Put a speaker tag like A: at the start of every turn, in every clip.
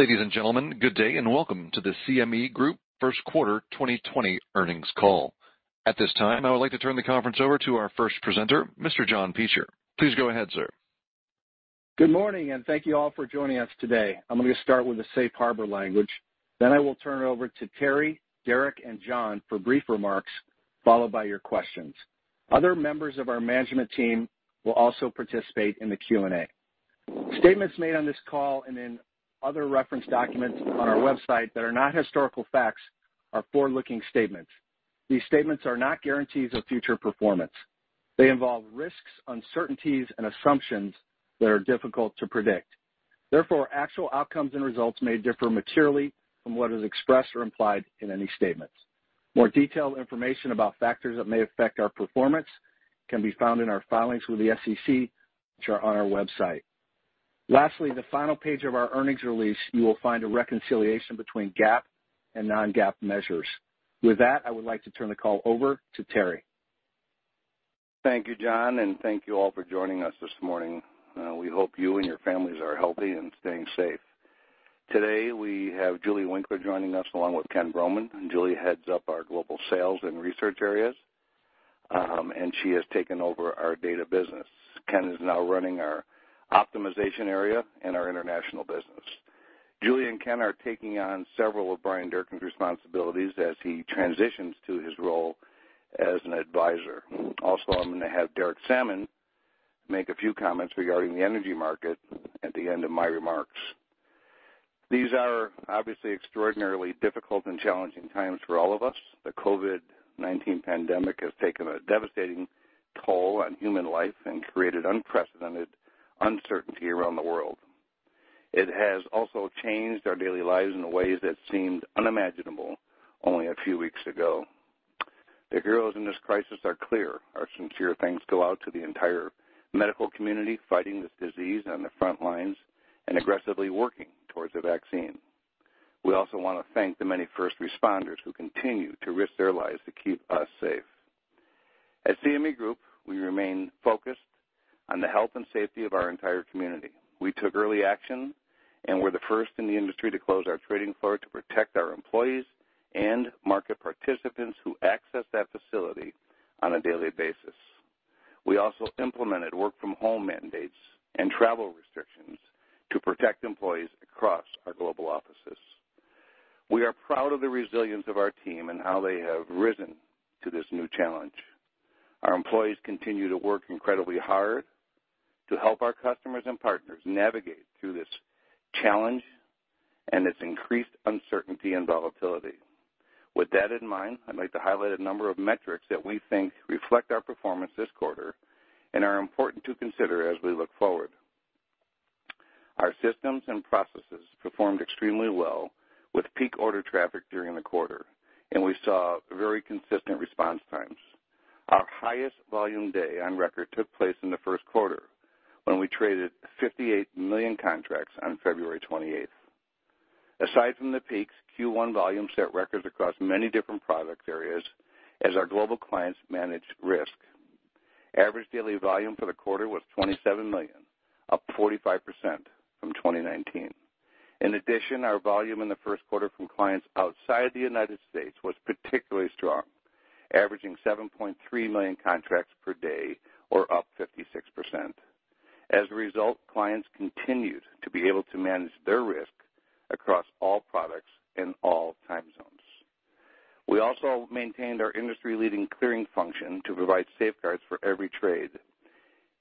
A: Ladies and gentlemen, good day and welcome to the CME Group First Quarter 2020 earnings call. At this time, I would like to turn the conference over to our first presenter, Mr. John Peschier. Please go ahead, sir.
B: Good morning, and thank you all for joining us today. I'm going to start with the safe harbor language. I will turn it over to Terry, Derek, and John for brief remarks, followed by your questions. Other members of our management team will also participate in the Q&A. Statements made on this call and in other reference documents on our website that are not historical facts are forward-looking statements. These statements are not guarantees of future performance. They involve risks, uncertainties, and assumptions that are difficult to predict. Therefore, actual outcomes and results may differ materially from what is expressed or implied in any statements. More detailed information about factors that may affect our performance can be found in our filings with the SEC, which are on our website. Lastly, the final page of our earnings release, you will find a reconciliation between GAAP and non-GAAP measures. With that, I would like to turn the call over to Terry.
C: Thank you, John, and thank you all for joining us this morning. We hope you and your families are healthy and staying safe. Today, we have Julie Winkler joining us along with Ken Vroman. Julie heads up our global sales and research areas, and she has taken over our data business. Ken is now running our optimization area and our international business. Julie and Ken are taking on several of Bryan Durkin's responsibilities as he transitions to his role as an advisor. Also, I'm going to have Derek Sammann make a few comments regarding the energy market at the end of my remarks. These are obviously extraordinarily difficult and challenging times for all of us. The COVID-19 pandemic has taken a devastating toll on human life and created unprecedented uncertainty around the world. It has also changed our daily lives in ways that seemed unimaginable only a few weeks ago. The heroes in this crisis are clear. Our sincere thanks go out to the entire medical community fighting this disease on the front lines and aggressively working towards a vaccine. We also want to thank the many first responders who continue to risk their lives to keep us safe. At CME Group, we remain focused on the health and safety of our entire community. We took early action and were the first in the industry to close our trading floor to protect our employees and market participants who access that facility on a daily basis. We also implemented work-from-home mandates and travel restrictions to protect employees across our global offices. We are proud of the resilience of our team and how they have risen to this new challenge. Our employees continue to work incredibly hard to help our customers and partners navigate through this challenge and its increased uncertainty and volatility. With that in mind, I'd like to highlight a number of metrics that we think reflect our performance this quarter and are important to consider as we look forward. Our systems and processes performed extremely well with peak order traffic during the quarter, and we saw very consistent response times. Our highest volume day on record took place in the first quarter when we traded 58 million contracts on February 28th. Aside from the peaks, Q1 volumes set records across many different product areas as our global clients managed risk. Average daily volume for the quarter was 27 million, up 45% from 2019. In addition, our volume in the first quarter from clients outside the U.S. was particularly strong, averaging 7.3 million contracts per day or up 56%. Clients continued to be able to manage their risk across all products in all time zones. We also maintained our industry-leading clearing function to provide safeguards for every trade.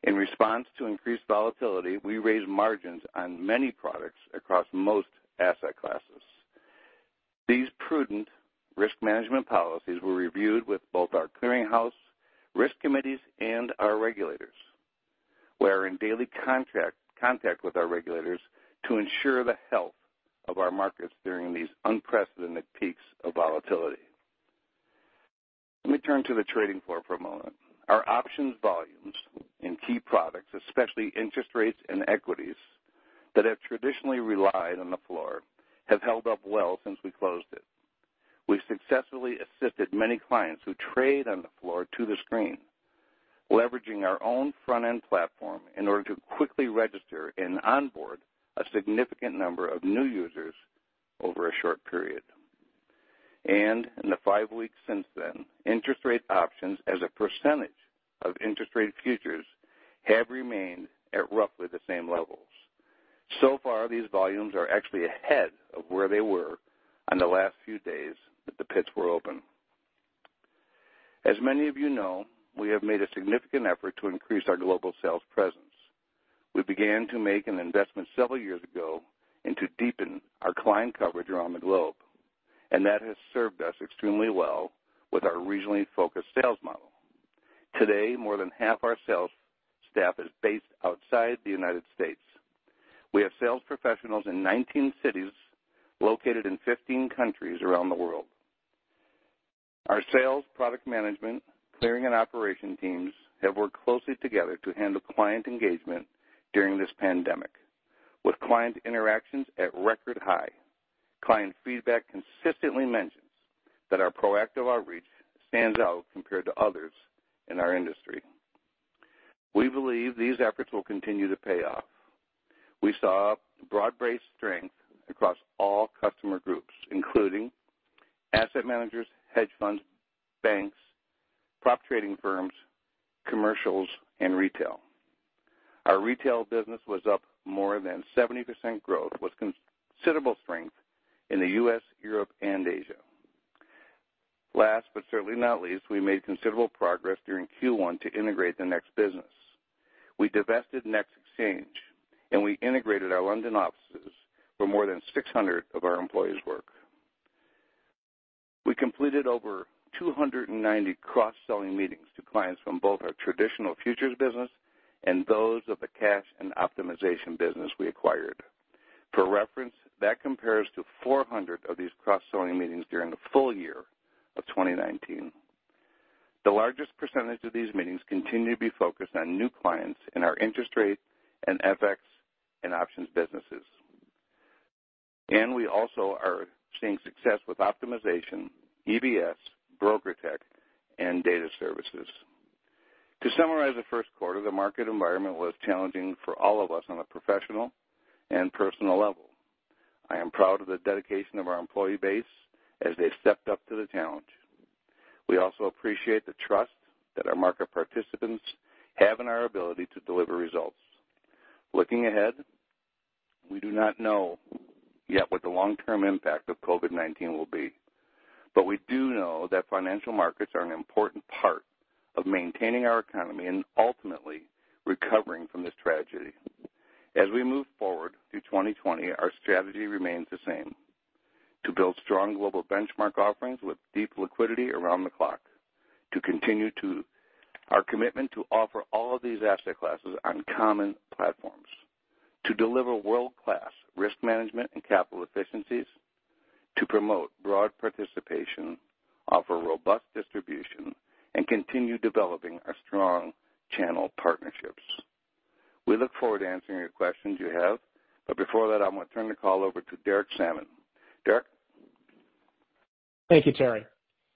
C: In response to increased volatility, we raised margins on many products across most asset classes. These prudent risk management policies were reviewed with both our clearing house risk committees and our regulators. We're in daily contact with our regulators to ensure the health of our markets during these unprecedented peaks of volatility. Let me turn to the trading floor for a moment. Our options volumes in key products, especially interest rates and equities that have traditionally relied on the floor, have held up well since we closed it. We've successfully assisted many clients who trade on the floor to the screen, leveraging our own front-end platform in order to quickly register and onboard a significant number of new users over a short period. In the five weeks since then, interest rate options as a percentage of interest rate futures have remained at roughly the same levels. So far, these volumes are actually ahead of where they were on the last few days that the pits were open. As many of you know, we have made a significant effort to increase our global sales presence. We began to make an investment several years ago and to deepen our client coverage around the globe, and that has served us extremely well with our regionally focused sales model. Today, more than half our sales staff is based outside the U.S. We have sales professionals in 19 cities located in 15 countries around the world. Our sales, product management, clearing, and operation teams have worked closely together to handle client engagement during this pandemic, with client interactions at record high. Client feedback consistently mentions that our proactive outreach stands out compared to others in our industry. We believe these efforts will continue to pay off. We saw broad-based strength across all customer groups, including asset managers, hedge funds, banks, prop trading firms, commercials, and retail. Our retail business was up more than 70% growth, with considerable strength in the U.S., Europe, and Asia. Last but certainly not least, we made considerable progress during Q1 to integrate the NEX business. We divested NEX Exchange, and we integrated our London offices where more than 600 of our employees work. We completed over 290 cross-selling meetings to clients from both our traditional futures business and those of the cash and optimization business we acquired. For reference, that compares to 400 of these cross-selling meetings during the full year of 2019. The largest percentage of these meetings continue to be focused on new clients in our interest rate and FX and options businesses. We also are seeing success with optimization, EBS, BrokerTec, and data services. To summarize the first quarter, the market environment was challenging for all of us on a professional and personal level. I am proud of the dedication of our employee base as they stepped up to the challenge. We also appreciate the trust that our market participants have in our ability to deliver results. Looking ahead, we do not know yet what the long-term impact of COVID-19 will be, but we do know that financial markets are an important part of maintaining our economy and ultimately recovering from this tragedy. As we move forward through 2020, our strategy remains the same, to build strong global benchmark offerings with deep liquidity around the clock, to continue our commitment to offer all of these asset classes on common platforms, to deliver world-class risk management and capital efficiencies, to promote broad participation, offer robust distribution, and continue developing our strong channel partnerships. We look forward to answering your questions you have, but before that, I'm going to turn the call over to Derek Sammann. Derek?
D: Thank you, Terry.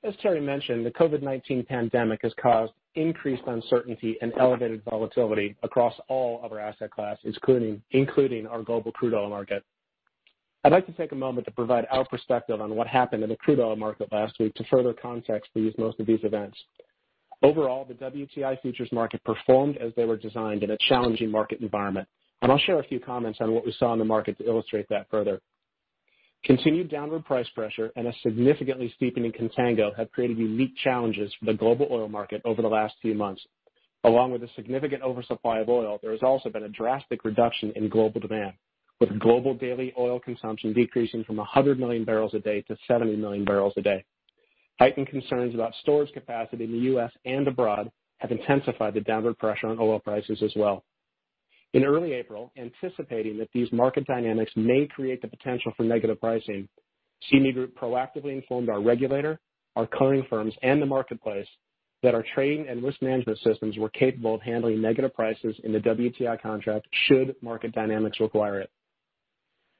D: As Terry mentioned, the COVID-19 pandemic has caused increased uncertainty and elevated volatility across all of our asset classes, including our global crude oil market. I'd like to take a moment to provide our perspective on what happened in the crude oil market last week to further context most of these events. Overall, the WTI futures market performed as they were designed in a challenging market environment. I'll share a few comments on what we saw in the market to illustrate that further. Continued downward price pressure and a significantly steepening contango have created unique challenges for the global oil market over the last few months. Along with a significant oversupply of oil, there has also been a drastic reduction in global demand, with global daily oil consumption decreasing from 100 million barrels a day to 70 million barrels a day. Heightened concerns about storage capacity in the U.S. and abroad have intensified the downward pressure on oil prices as well. In early April, anticipating that these market dynamics may create the potential for negative pricing, CME Group proactively informed our regulator, our clearing firms, and the marketplace that our trading and risk management systems were capable of handling negative prices in the WTI contract should market dynamics require it.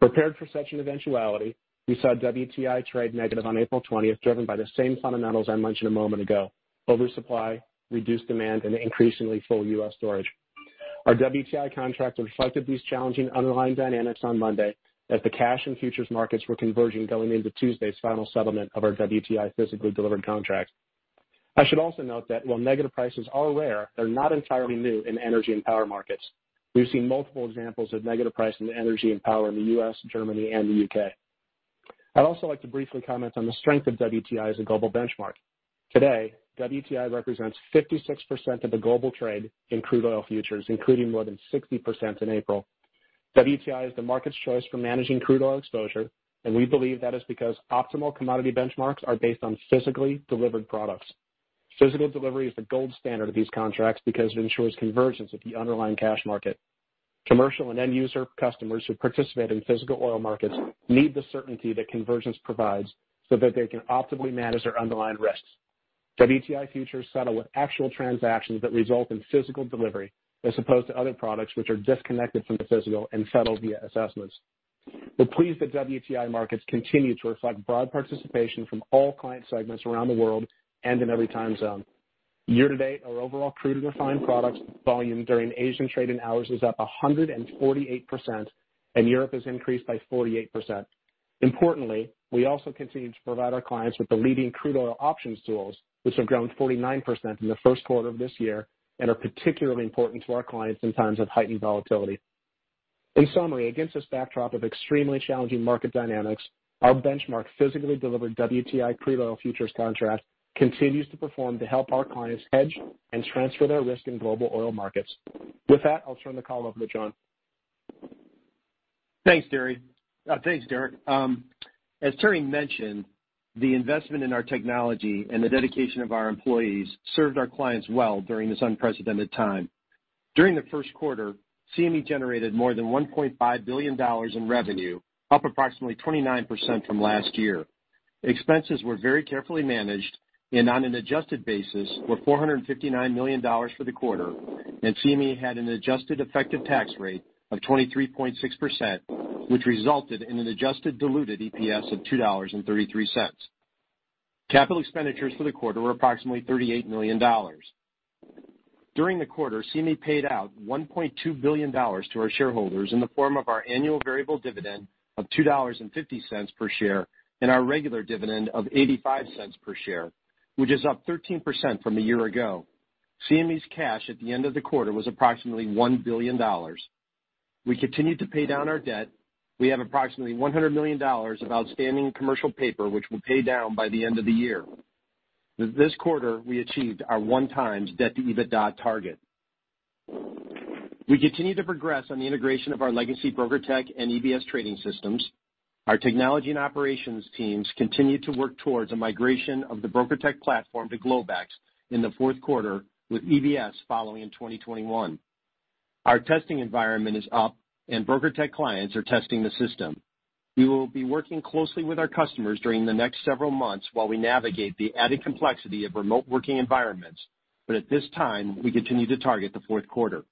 D: Prepared for such an eventuality, we saw WTI trade negative on April 20th, driven by the same fundamentals I mentioned a moment ago, oversupply, reduced demand, and increasingly full U.S. storage. Our WTI contract reflected these challenging underlying dynamics on Monday as the cash and futures markets were converging going into Tuesday's final settlement of our WTI physically delivered contract. I should also note that while negative prices are rare, they're not entirely new in energy and power markets. We've seen multiple examples of negative price in energy and power in the U.S., Germany, and the U.K. I'd also like to briefly comment on the strength of WTI as a global benchmark. Today, WTI represents 56% of the global trade in crude oil futures, including more than 60% in April. WTI is the market's choice for managing crude oil exposure, and we believe that is because optimal commodity benchmarks are based on physically delivered products. Physical delivery is the gold standard of these contracts because it ensures convergence with the underlying cash market. Commercial and end-user customers who participate in physical oil markets need the certainty that convergence provides so that they can optimally manage their underlying risks. WTI futures settle with actual transactions that result in physical delivery, as opposed to other products which are disconnected from the physical and settle via assessments. We're pleased that WTI markets continue to reflect broad participation from all client segments around the world and in every time zone. Year to date, our overall crude refined products volume during Asian trading hours is up 148%, and Europe has increased by 48%. Importantly, we also continue to provide our clients with the leading crude oil options tools, which have grown 49% in the first quarter of this year and are particularly important to our clients in times of heightened volatility. In summary, against this backdrop of extremely challenging market dynamics, our benchmark physically delivered WTI crude oil futures contract continues to perform to help our clients hedge and transfer their risk in global oil markets. With that, I'll turn the call over to John.
E: Thanks, Derek. As Terry mentioned, the investment in our technology and the dedication of our employees served our clients well during this unprecedented time. During the first quarter, CME generated more than $1.5 billion in revenue, up approximately 29% from last year. Expenses were very carefully managed, and on an adjusted basis, were $459 million for the quarter, and CME had an adjusted effective tax rate of 23.6%, which resulted in an adjusted diluted EPS of $2.33. Capital expenditures for the quarter were approximately $38 million. During the quarter, CME paid out $1.2 billion to our shareholders in the form of our annual variable dividend of $2.50 per share and our regular dividend of $0.85 per share, which is up 13% from a year ago. CME's cash at the end of the quarter was approximately $1 billion. We continued to pay down our debt. We have approximately $100 million of outstanding commercial paper, which we'll pay down by the end of the year. This quarter, we achieved our one times debt to EBITDA target. We continue to progress on the integration of our legacy BrokerTec and EBS trading systems. Our technology and operations teams continue to work towards a migration of the BrokerTec platform to Globex in the fourth quarter, with EBS following in 2021. Our testing environment is up, and BrokerTec clients are testing the system. We will be working closely with our customers during the next several months while we navigate the added complexity of remote working environments, but at this time, we continue to target the fourth quarter.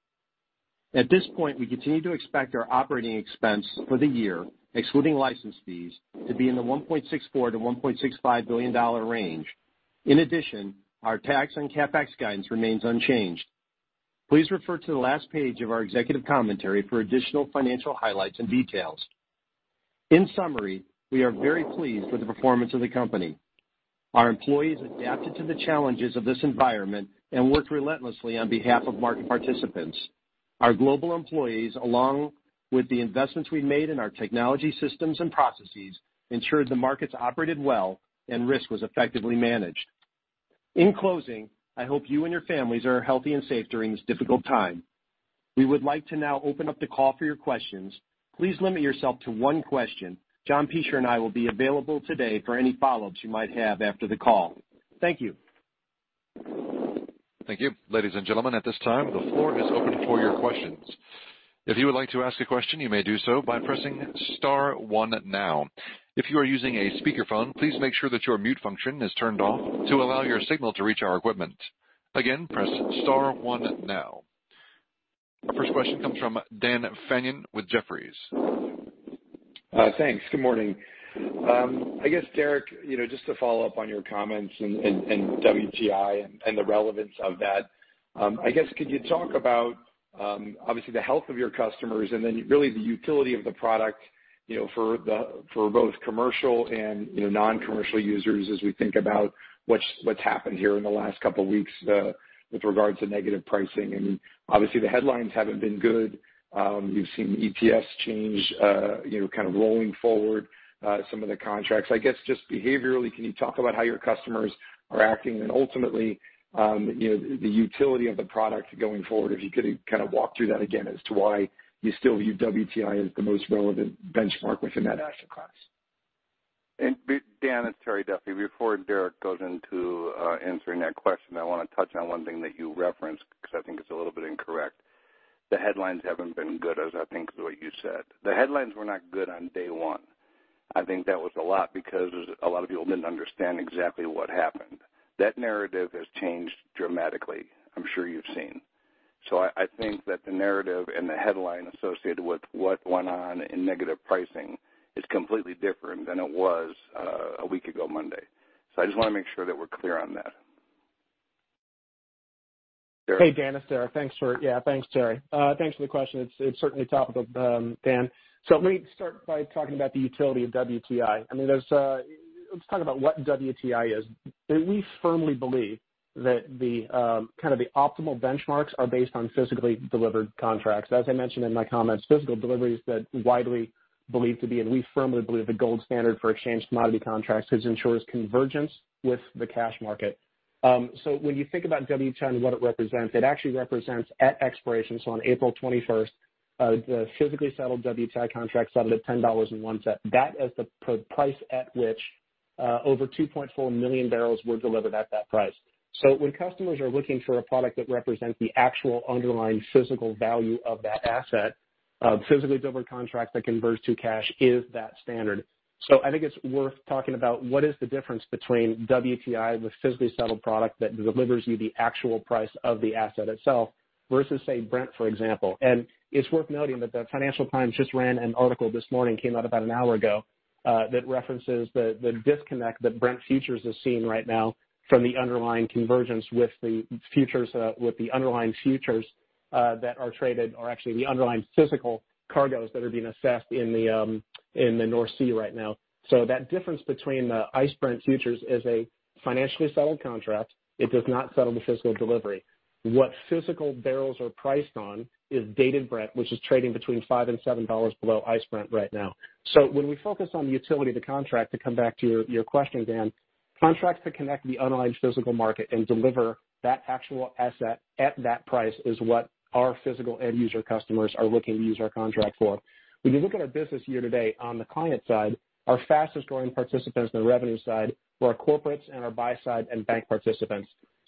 E: At this point, we continue to expect our operating expense for the year, excluding license fees, to be in the $1.64 billion-$1.65 billion range. In addition, our tax on CapEx guidance remains unchanged. Please refer to the last page of our executive commentary for additional financial highlights and details. In summary, we are very pleased with the performance of the company. Our employees adapted to the challenges of this environment and worked relentlessly on behalf of market participants. Our global employees, along with the investments we made in our technology systems and processes, ensured the markets operated well and risk was effectively managed. In closing, I hope you and your families are healthy and safe during this difficult time. We would like to now open up the call for your questions. Please limit yourself to one question. John Peschier and I will be available today for any follow-ups you might have after the call. Thank you.
A: Thank you. Ladies and gentlemen, at this time, the floor is open for your questions. If you would like to ask a question, you may do so by pressing star one now. If you are using a speakerphone, please make sure that your mute function is turned off to allow your signal to reach our equipment. Again, press star one now. Our first question comes from Daniel Fannon with Jefferies.
F: Thanks. Good morning. I guess, Derek, just to follow up on your comments and WTI and the relevance of that, I guess could you talk about, obviously, the health of your customers and then really the utility of the product for both commercial and non-commercial users as we think about what's happened here in the last couple of weeks with regards to negative pricing? Obviously, the headlines haven't been good. You've seen EPS change kind of rolling forward some of the contracts. I guess just behaviorally, can you talk about how your customers are acting and ultimately, the utility of the product going forward? If you could kind of walk through that again as to why you still view WTI as the most relevant benchmark within that asset class.
C: Dan, it's Terry Duffy. Before Derek goes into answering that question, I want to touch on one thing that you referenced because I think it's a little bit incorrect. The headlines haven't been good, as I think is what you said. The headlines were not good on day one. I think that was a lot because a lot of people didn't understand exactly what happened. That narrative has changed dramatically, I'm sure you've seen. I think that the narrative and the headline associated with what went on in negative pricing is completely different than it was a week ago Monday. I just want to make sure that we're clear on that. Derek?
D: Hey, Dan. It's Derek. Thanks, Terry. Thanks for the question. It's certainly topical, Dan. Let me start by talking about the utility of WTI. Let's talk about what WTI is. We firmly believe that the optimal benchmarks are based on physically delivered contracts. As I mentioned in my comments, physical deliveries that widely believed to be, and we firmly believe, the gold standard for exchange commodity contracts because it ensures convergence with the cash market. When you think about WTI and what it represents, it actually represents at expiration, on April 21st, the physically settled WTI contract settled at $10.01. That is the price at which over 2.4 million barrels were delivered at that price. When customers are looking for a product that represents the actual underlying physical value of that asset, a physically delivered contract that converts to cash is that standard. I think it's worth talking about what is the difference between WTI, the physically settled product that delivers you the actual price of the asset itself, versus, say Brent, for example. It's worth noting that the Financial Times just ran an article this morning, came out about an hour ago, that references the disconnect that Brent futures is seeing right now from the underlying convergence with the underlying futures that are traded are actually the underlying physical cargoes that are being assessed in the North Sea right now. That difference between the ICE Brent Futures is a financially settled contract. It does not settle the physical delivery. What physical barrels are priced on is Dated Brent, which is trading between $5 and $7 below ICE Brent right now. When we focus on the utility of the contract, to come back to your question, Dan, contracts that connect the underlying physical market and deliver that actual asset at that price is what our physical end user customers are looking to use our contract for. When you look at our business year to date on the client side, our fastest growing participants on the revenue side were our corporates and our buy side and bank participants.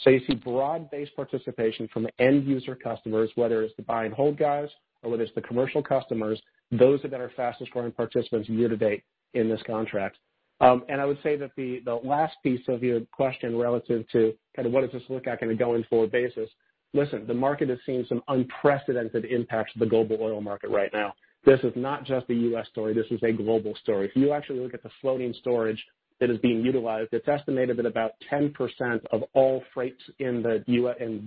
D: You see broad-based participation from end user customers, whether it's the buy and hold guys or whether it's the commercial customers, those have been our fastest growing participants year to date in this contract. I would say that the last piece of your question relative to kind of what does this look like on a going-forward basis. Listen, the market is seeing some unprecedented impacts to the global oil market right now. This is not just a U.S. story. This is a global story. If you actually look at the floating storage that is being utilized, it's estimated that about 10% of all freight in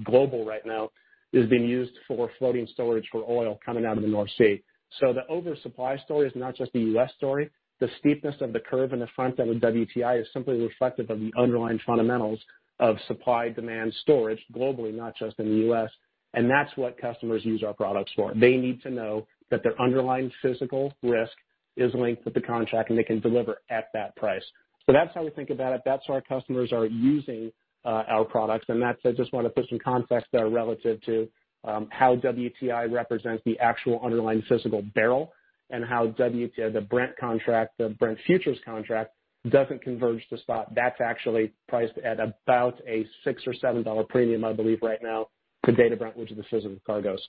D: global right now is being used for floating storage for oil coming out of the North Sea. The oversupply story is not just a U.S. story. The steepness of the curve in the front end of WTI is simply reflective of the underlying fundamentals of supply, demand storage globally, not just in the U.S. That's what customers use our products for. They need to know that their underlying physical risk is linked with the contract, and they can deliver at that price. That's how we think about it. That's why our customers are using our products. I just want to put some context there relative to how WTI represents the actual underlying physical barrel and how WTI, the Brent contract, the Brent futures contract, doesn't converge to spot. That's actually priced at about a $6 or $7 premium, I believe right now, to Dated Brent, which is the physical cargoes.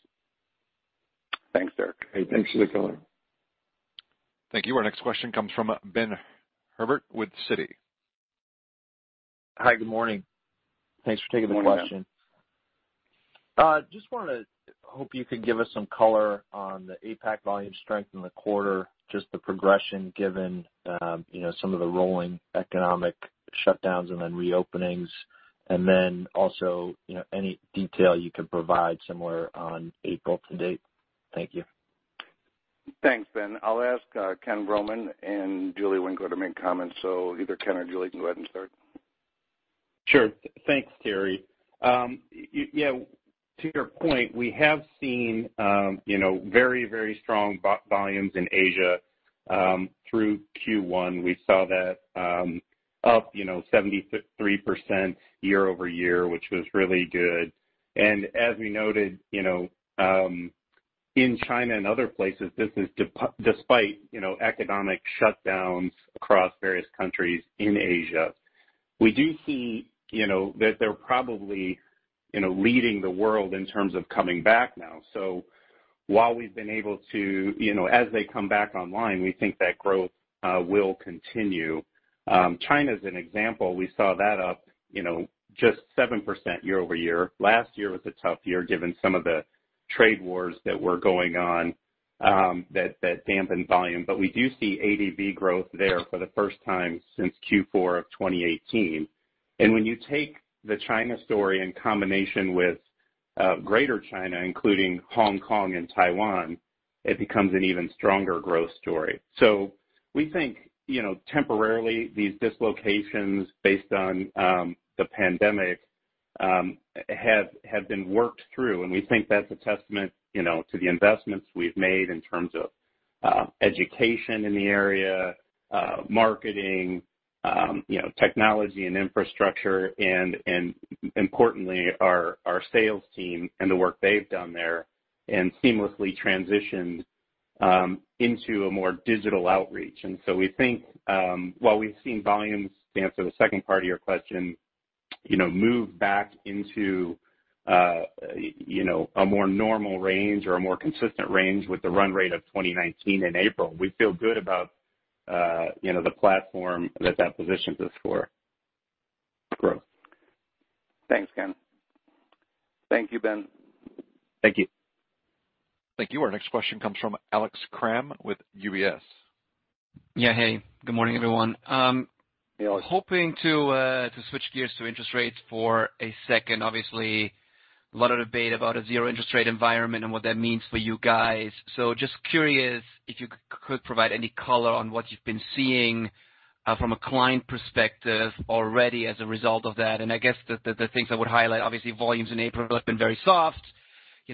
C: Thanks, Derek. Thanks for the color.
A: Thank you. Our next question comes from Benjamin Herbert with Citi.
G: Hi. Good morning. Thanks for taking the question.
C: Good morning, Ben.
G: Just wanted to hope you could give us some color on the APAC volume strength in the quarter, just the progression given some of the rolling economic shutdowns and then reopenings. Also any detail you could provide similar on April to date. Thank you.
C: Thanks, Ben. I'll ask Ken Vroman and Julie Winkler to make comments. Either Ken or Julie can go ahead and start.
H: Sure. Thanks, Terry. Yeah, to your point, we have seen very strong volumes in Asia through Q1. We saw that up 73% year-over-year, which was really good. As we noted, in China and other places, this is despite economic shutdowns across various countries in Asia. We do see that they're probably leading the world in terms of coming back now. As they come back online, we think that growth will continue. China's an example. We saw that up just 7% year-over-year. Last year was a tough year given some of the trade wars that were going on that dampened volume. We do see ADV growth there for the first time since Q4 of 2018. When you take the China story in combination with greater China, including Hong Kong and Taiwan, it becomes an even stronger growth story. We think temporarily these dislocations based on the pandemic have been worked through. We think that's a testament to the investments we've made in terms of education in the area, marketing, technology and infrastructure, and importantly, our sales team and the work they've done there and seamlessly transitioned into a more digital outreach. We think while we've seen volumes, to answer the second part of your question, move back into a more normal range or a more consistent range with the run rate of 2019 in April, we feel good about the platform that that positions us for growth.
G: Thanks, Ken.
C: Thank you, Ben.
G: Thank you.
A: Thank you. Our next question comes from Alex Kramm with UBS.
I: Yeah. Hey, good morning, everyone.
C: Hey, Alex.
I: Hoping to switch gears to interest rates for a second. Obviously, a lot of debate about a zero interest rate environment and what that means for you guys. Just curious if you could provide any color on what you've been seeing from a client perspective already as a result of that. I guess the things I would highlight, obviously volumes in April have been very soft.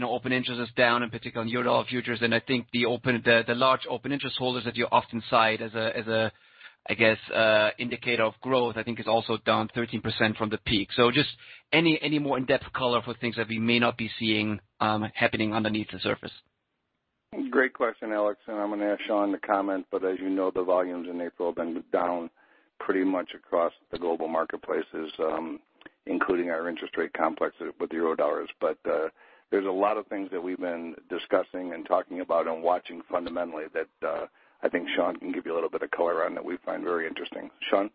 I: Open interest is down, in particular in Eurodollar futures. I think the large open interest holders that you often cite as a, I guess, indicator of growth, I think is also down 13% from the peak. Just any more in-depth color for things that we may not be seeing happening underneath the surface?
C: Great question, Alex, and I'm going to ask Sean to comment, but as you know, the volumes in April have been down pretty much across the global marketplaces, including our interest rate complex with Eurodollars. There's a lot of things that we've been discussing and talking about and watching fundamentally that I think Sean can give you a little bit of color on that we find very interesting. Sean?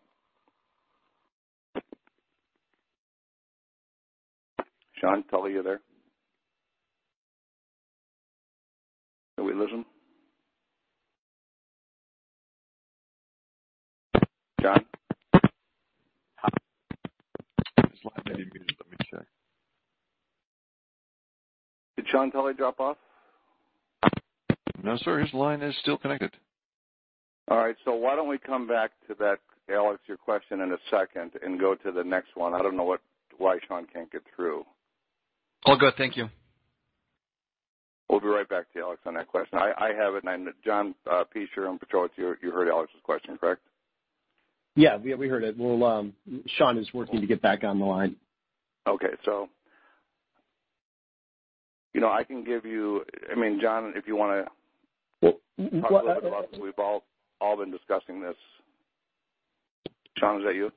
C: Sean Tully, you there? Did we lose him? John?
A: His line may be muted. Let me check.
C: Did Sean Tully drop off?
A: No, sir. His line is still connected.
C: All right. Why don't we come back to that, Alex, your question in a second and go to the next one. I don't know why Sean can't get through.
I: All good. Thank you.
C: We'll be right back to you, Alex, on that question. I have it, and John Pietrowicz, you heard Alex's question, correct?
E: Yeah, we heard it. Sean is working to get back on the line.
C: Okay. I mean, John, if you want to talk a little bit about this. We've all been discussing this. Sean, is that you?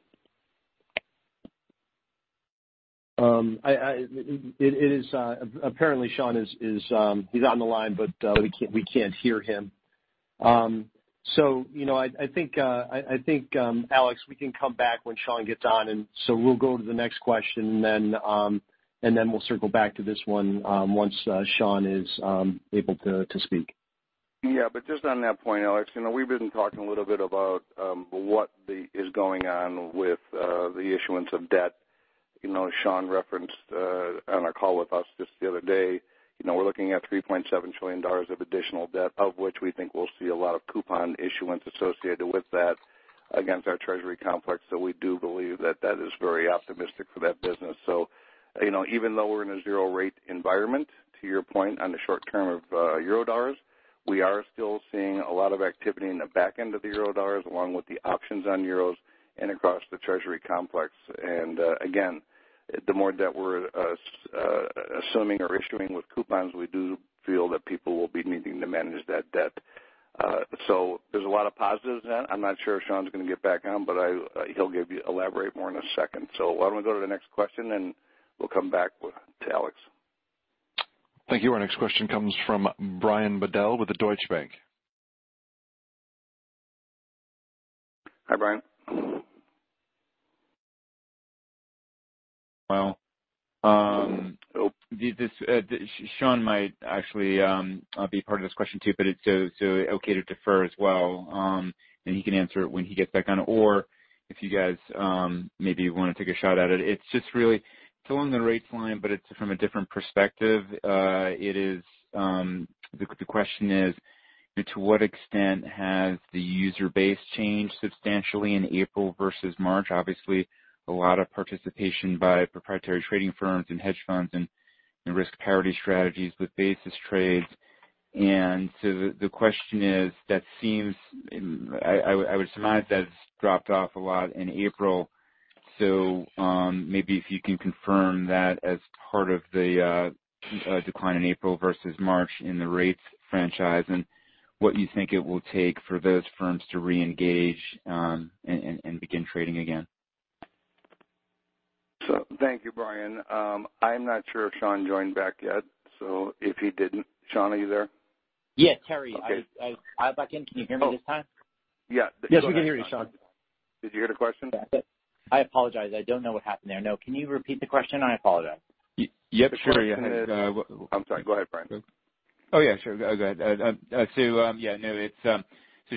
E: Apparently Sean is on the line, but we can't hear him. I think, Alex, we can come back when Sean gets on, and so we'll go to the next question and then we'll circle back to this one once Sean is able to speak.
C: Just on that point, Alex, we've been talking a little bit about what is going on with the issuance of debt. Sean referenced on our call with us just the other day, we're looking at $3.7 trillion of additional debt, of which we think we'll see a lot of coupon issuance associated with that against our treasury complex. We do believe that that is very optimistic for that business. Even though we're in a zero rate environment, to your point on the short term of Eurodollars, we are still seeing a lot of activity in the back end of the Eurodollars, along with the options on euros and across the treasury complex. Again, the more debt we're assuming or issuing with coupons, we do feel that people will be needing to manage that debt. There's a lot of positives then. I'm not sure if Sean's going to get back on, but he'll elaborate more in a second. Why don't we go to the next question and we'll come back to Alex.
A: Thank you. Our next question comes from Brian Bedell with the Deutsche Bank.
C: Hi, Brian.
J: Sean might actually be part of this question too, it's okay to defer as well, he can answer it when he gets back on, if you guys maybe want to take a shot at it. It's just really still on the rates line, it's from a different perspective. The question is, to what extent has the user base changed substantially in April versus March? Obviously, a lot of participation by proprietary trading firms and hedge funds and risk parity strategies with basis trades. The question is, I would surmise that's dropped off a lot in April, maybe if you can confirm that as part of the decline in April versus March in the rates franchise, and what you think it will take for those firms to reengage and begin trading again.
C: Thank you, Brian. I'm not sure if Sean joined back yet, so if he didn't, Sean, are you there?
K: Yes, Terry.
C: Okay.
K: I'm back in. Can you hear me this time?
C: Yeah.
E: Yes, we can hear you, Sean.
C: Did you hear the question?
K: I apologize. I don't know what happened there. No. Can you repeat the question? I apologize.
J: Yep, sure.
C: I'm sorry. Go ahead, Brian.
J: Sure. Go ahead.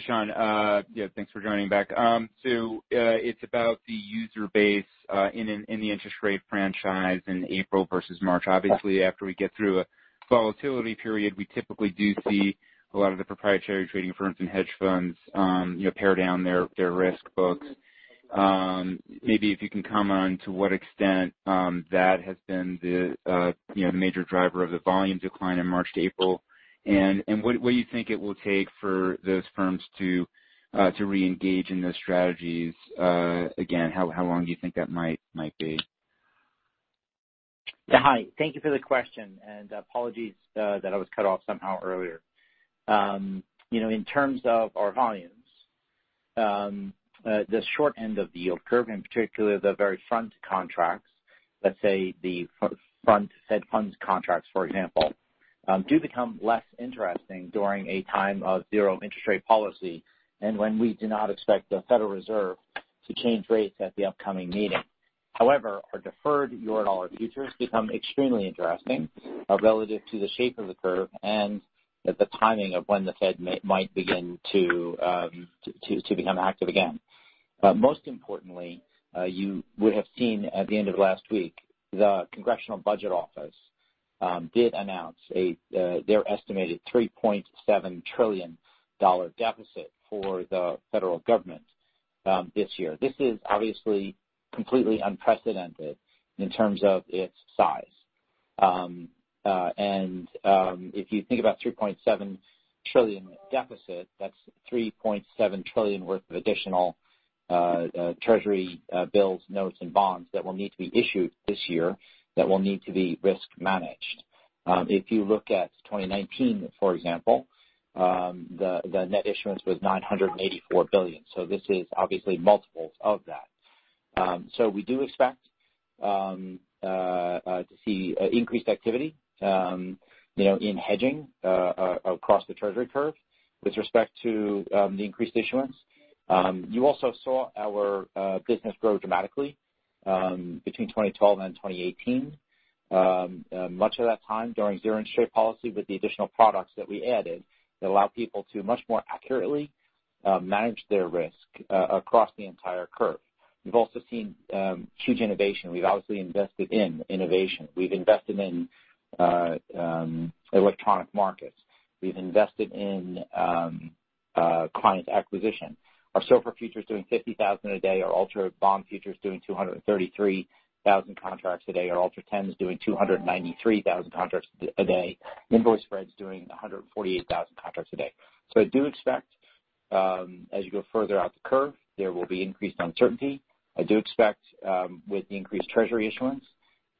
J: Sean, thanks for joining back. It's about the user base in the interest rate franchise in April versus March. Obviously, after we get through a volatility period, we typically do see a lot of the proprietary trading firms and hedge funds pare down their risk books. Maybe if you can comment on to what extent that has been the major driver of the volume decline in March to April, what do you think it will take for those firms to reengage in those strategies again, how long do you think that might be?
K: Hi. Thank you for the question, and apologies that I was cut off somehow earlier. In terms of our volumes, the short end of the yield curve, in particular, the very front contracts, let's say the front fed funds contracts, for example, do become less interesting during a time of zero interest rate policy and when we do not expect the Federal Reserve to change rates at the upcoming meeting. However, our deferred Eurodollar futures become extremely interesting relative to the shape of the curve and the timing of when the Fed might begin to become active again. Most importantly, you would have seen at the end of last week, the Congressional Budget Office did announce their estimated $3.7 trillion deficit for the federal government this year. This is obviously completely unprecedented in terms of its size. If you think about $3.7 trillion deficit, that's $3.7 trillion worth of additional Treasury bills, notes, and bonds that will need to be issued this year that will need to be risk managed. If you look at 2019, for example, the net issuance was $984 billion. This is obviously multiples of that. We do expect to see increased activity in hedging across the Treasury curve with respect to the increased issuance. You also saw our business grow dramatically between 2012 and 2018. Much of that time during zero interest rate policy with the additional products that we added that allow people to much more accurately manage their risk across the entire curve. We've also seen huge innovation. We've obviously invested in innovation. We've invested in electronic markets. We've invested in clients acquisition. Our SOFR futures doing 50,000 a day. Our Ultra Bond futures doing 233,000 contracts a day. Our Ultra 10 is doing 293,000 contracts a day. Invoice Spreads doing 148,000 contracts a day. I do expect as you go further out the curve, there will be increased uncertainty. I do expect with the increased Treasury issuance,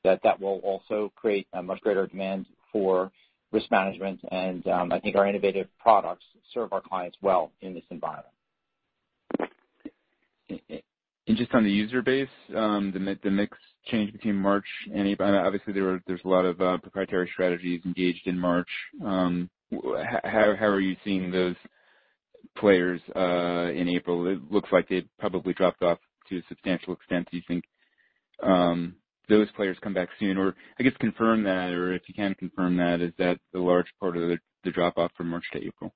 K: that will also create a much greater demand for risk management, and I think our innovative products serve our clients well in this environment.
J: Just on the user base, the mix change between March and April, obviously there is a lot of proprietary strategies engaged in March. How are you seeing those players in April? It looks like they probably dropped off to a substantial extent. Do you think those players come back soon? I guess confirm that or if you can confirm that, is that the large part of the drop off from March to April?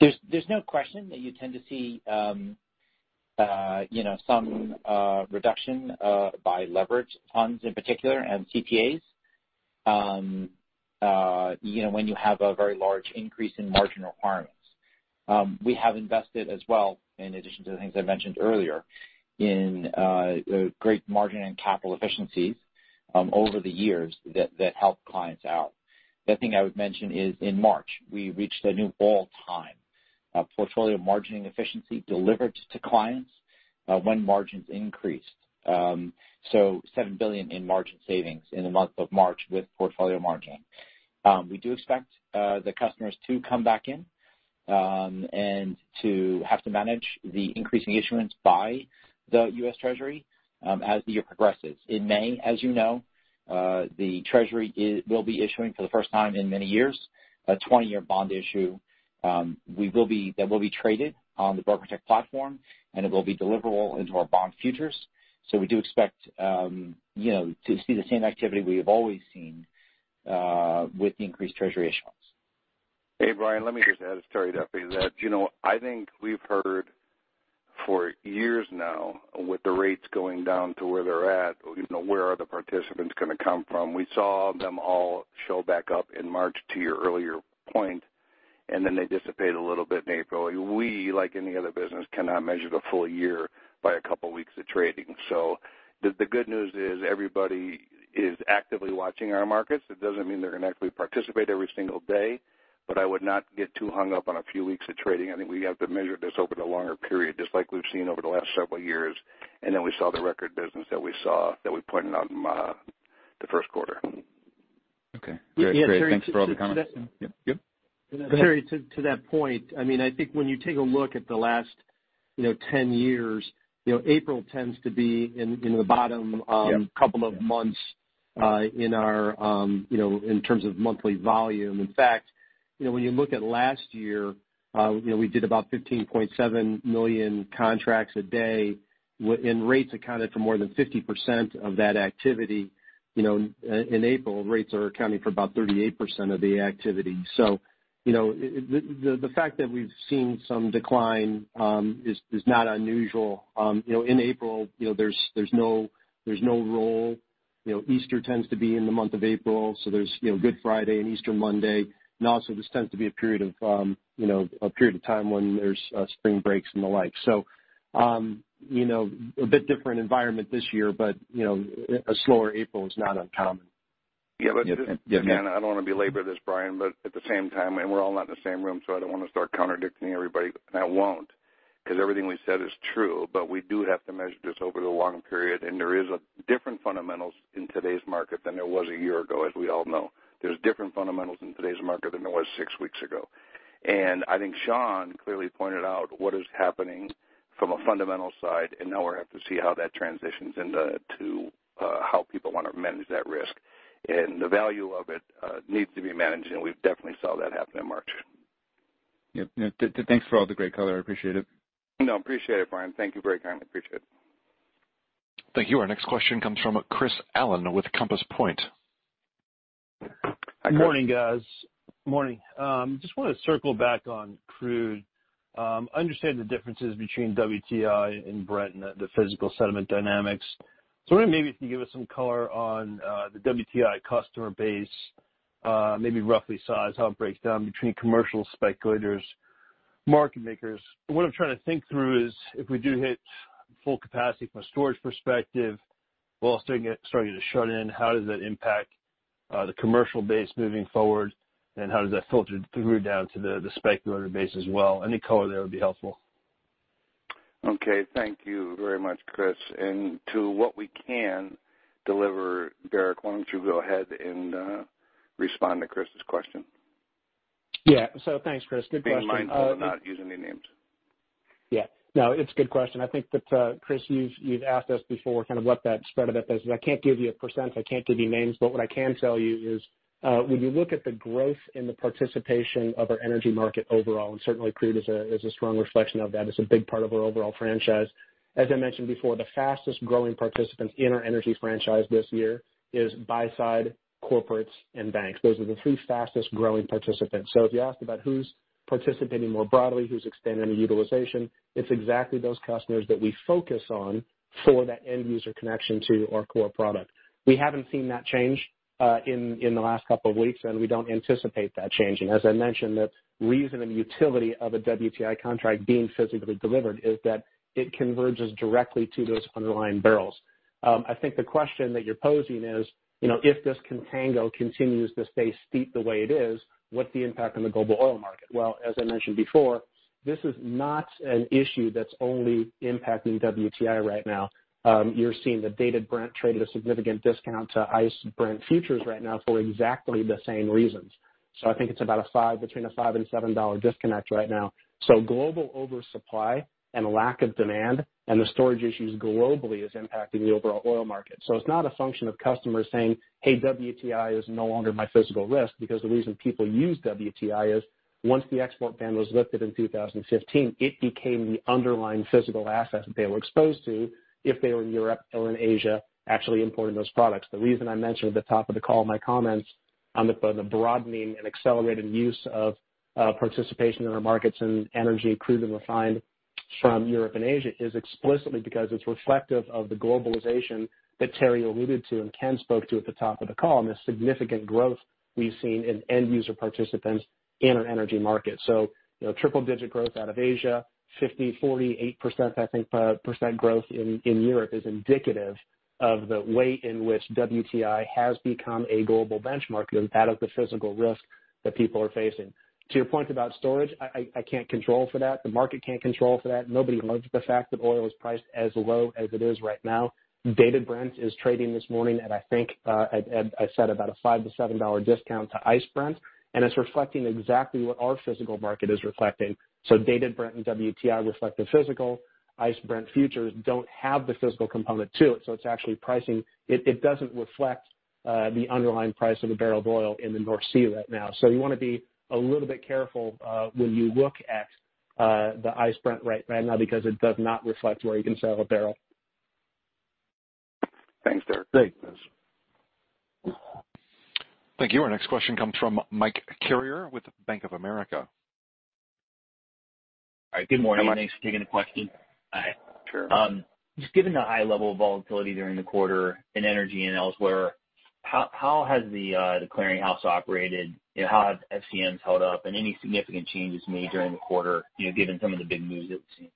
K: There's no question that you tend to see some reduction by leverage funds in particular and CTAs when you have a very large increase in margin requirements. We have invested as well, in addition to the things I mentioned earlier, in great margin and capital efficiencies, over the years that help clients out. The thing I would mention is in March, we reached a new all-time portfolio margining efficiency delivered to clients, when margins increased. $7 billion in margin savings in the month of March with portfolio margin. We do expect the customers to come back in, and to have to manage the increasing issuance by the U.S. Treasury, as the year progresses. In May, as you know, the Treasury will be issuing for the first time in many years, a 20-year bond issue, that will be traded on the BrokerTec platform, and it will be deliverable into our bond futures. We do expect to see the same activity we have always seen, with increased Treasury issuance.
C: Hey, Brian, let me just add as Terry Duffy that, I think we've heard for years now with the rates going down to where they're at, where are the participants going to come from? We saw them all show back up in March to your earlier point. They dissipate a little bit in April. We, like any other business, cannot measure the full year by a couple of weeks of trading. The good news is everybody is actively watching our markets. That doesn't mean they're going to actively participate every single day, but I would not get too hung up on a few weeks of trading. I think we have to measure this over the longer period, just like we've seen over the last several years. We saw the record business that we saw that we pointed out in the first quarter.
J: Okay. Great. Thanks for all the comments. Yep.
E: Terry, to that point, I think when you take a look at the last 10 years, April tends to be in the bottom-
C: Yep
E: couple of months, in terms of monthly volume. In fact, when you look at last year, we did about 15.7 million contracts a day, and rates accounted for more than 50% of that activity. In April, rates are accounting for about 38% of the activity. The fact that we've seen some decline, is not unusual. In April, there's no roll. Easter tends to be in the month of April, so there's Good Friday and Easter Monday, and also this tends to be a period of time when there's spring breaks and the like. A bit different environment this year, but a slower April is not uncommon.
C: Yeah. Just, again, I don't want to belabor this, Brian, but at the same time, and we're all not in the same room, so I don't want to start contradicting everybody, and I won't, because everything we said is true, but we do have to measure this over the long period, and there is a different fundamentals in today's market than there was one year ago, as we all know. There's different fundamentals in today's market than there was six weeks ago. I think Sean clearly pointed out what is happening from a fundamental side, and now we have to see how that transitions into how people want to manage that risk. The value of it needs to be managed, and we've definitely saw that happen in March.
J: Yep. Thanks for all the great color. I appreciate it.
C: No, appreciate it, Brian. Thank you very kindly. Appreciate it.
A: Thank you. Our next question comes from Chris Allen with Compass Point.
C: Hi, Chris.
L: Morning, guys. Morning. Want to circle back on crude. Understand the differences between WTI and Brent and the physical settlement dynamics. I'm wondering maybe if you can give us some color on the WTI customer base, maybe roughly size, how it breaks down between commercial speculators, market makers. What I'm trying to think through is if we do hit full capacity from a storage perspective, while starting it to shut in, how does that impact the commercial base moving forward, and how does that filter through down to the speculator base as well? Any color there would be helpful.
C: Okay. Thank you very much, Chris. To what we can deliver, Derek, why don't you go ahead and respond to Chris's question.
D: Yeah. Thanks, Chris. Good question.
C: Being mindful of not using any names.
D: Yeah. No, it's a good question. I think that, Chris, you've asked us before kind of what that spread of it is, and I can't give you a percent, I can't give you names, but what I can tell you is, when you look at the growth in the participation of our energy market overall, and certainly crude is a strong reflection of that. It's a big part of our overall franchise. As I mentioned before, the fastest-growing participants in our energy franchise this year is buy-side corporates and banks. Those are the three fastest-growing participants. If you ask about who's participating more broadly, who's expanding the utilization, it's exactly those customers that we focus on for that end-user connection to our core product. We haven't seen that change, in the last couple of weeks, and we don't anticipate that changing. As I mentioned, the reason and utility of a WTI contract being physically delivered is that it converges directly to those underlying barrels. I think the question that you're posing is, if this contango continues to stay steep the way it is, what's the impact on the global oil market? Well, as I mentioned before, this is not an issue that's only impacting WTI right now. You're seeing that Dated Brent trade at a significant discount to ICE Brent futures right now for exactly the same reasons. I think it's about between a $5 and $7 disconnect right now. Global oversupply and a lack of demand and the storage issues globally is impacting the overall oil market. It's not a function of customers saying, "Hey, WTI is no longer my physical risk," because the reason people use WTI is once the export ban was lifted in 2015, it became the underlying physical asset that they were exposed to if they were in Europe or in Asia, actually importing those products. The reason I mentioned at the top of the call my comments on the broadening and accelerated use of participation in our markets and energy, crude, and refined from Europe and Asia is explicitly because it's reflective of the globalization that Terry alluded to and Ken spoke to at the top of the call, and the significant growth we've seen in end user participants in our energy market. Triple-digit growth out of Asia, 50%, 48% growth in Europe is indicative of the way in which WTI has become a global benchmark and out of the physical risk that people are facing. To your point about storage, I can't control for that. The market can't control for that. Nobody loves the fact that oil is priced as low as it is right now. Dated Brent is trading this morning at about a $5-$7 discount to ICE Brent, and it's reflecting exactly what our physical market is reflecting. Dated Brent and WTI reflect the physical. ICE Brent futures don't have the physical component to it doesn't reflect the underlying price of a barrel of oil in the North Sea right now. You want to be a little bit careful when you look at the ICE Brent right now because it does not reflect where you can sell a barrel.
C: Thanks, Derek.
D: Thanks.
A: Thank you. Our next question comes from Mike Carrier with Bank of America.
M: All right. Good morning.
C: Hi, Mike. Thanks for taking the question.
M: Sure. Just given the high level of volatility during the quarter in energy and elsewhere, how has the clearing house operated, how have FCMs held up and any significant changes made during the quarter, given some of the big moves that we've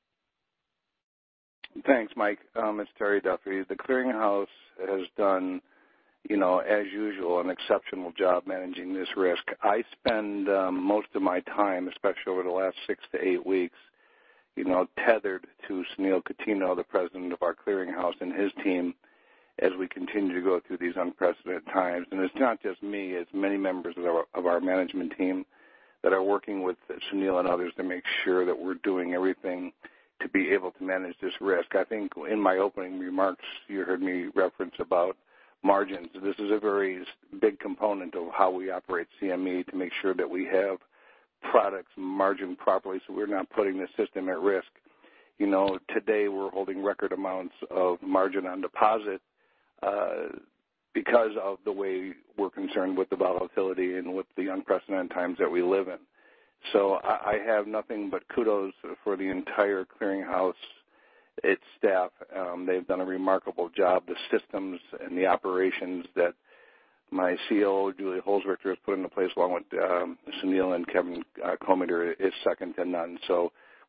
M: seen?
C: Thanks, Mike. It's Terry Duffy. The clearing house has done, as usual, an exceptional job managing this risk. I spend most of my time, especially over the last six to eight weeks, tethered to Sunil Cutinho, the president of our clearinghouse, and his team as we continue to go through these unprecedented times. It's not just me, it's many members of our management team that are working with Sunil and others to make sure that we're doing everything to be able to manage this risk. I think in my opening remarks, you heard me reference about margins. This is a very big component of how we operate CME to make sure that we have products margined properly so we're not putting the system at risk. Today we're holding record amounts of margin on deposit because of the way we're concerned with the volatility and with the unprecedented times that we live in. I have nothing but kudos for the entire clearinghouse, its staff. They've done a remarkable job. The systems and the operations that my COO, Julie Holzrichter, has put into place, along with Sunil and Kevin Kometer, is second to none.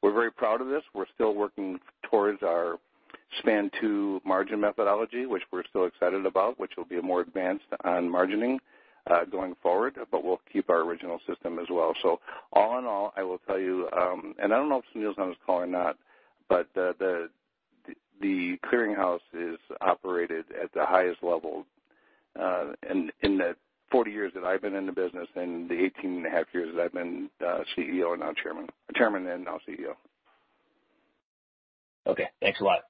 C: We're very proud of this. We're still working towards our SPAN 2 margin methodology, which we're still excited about, which will be more advanced on margining going forward. We'll keep our original system as well. All in all, I will tell you, and I don't know if Sunil's on this call or not, but the clearinghouse is operated at the highest level in the 40 years that I've been in the business and the 18 and a half years that I've been CEO and now Chairman. Chairman then now CEO.
M: Okay, thanks a lot.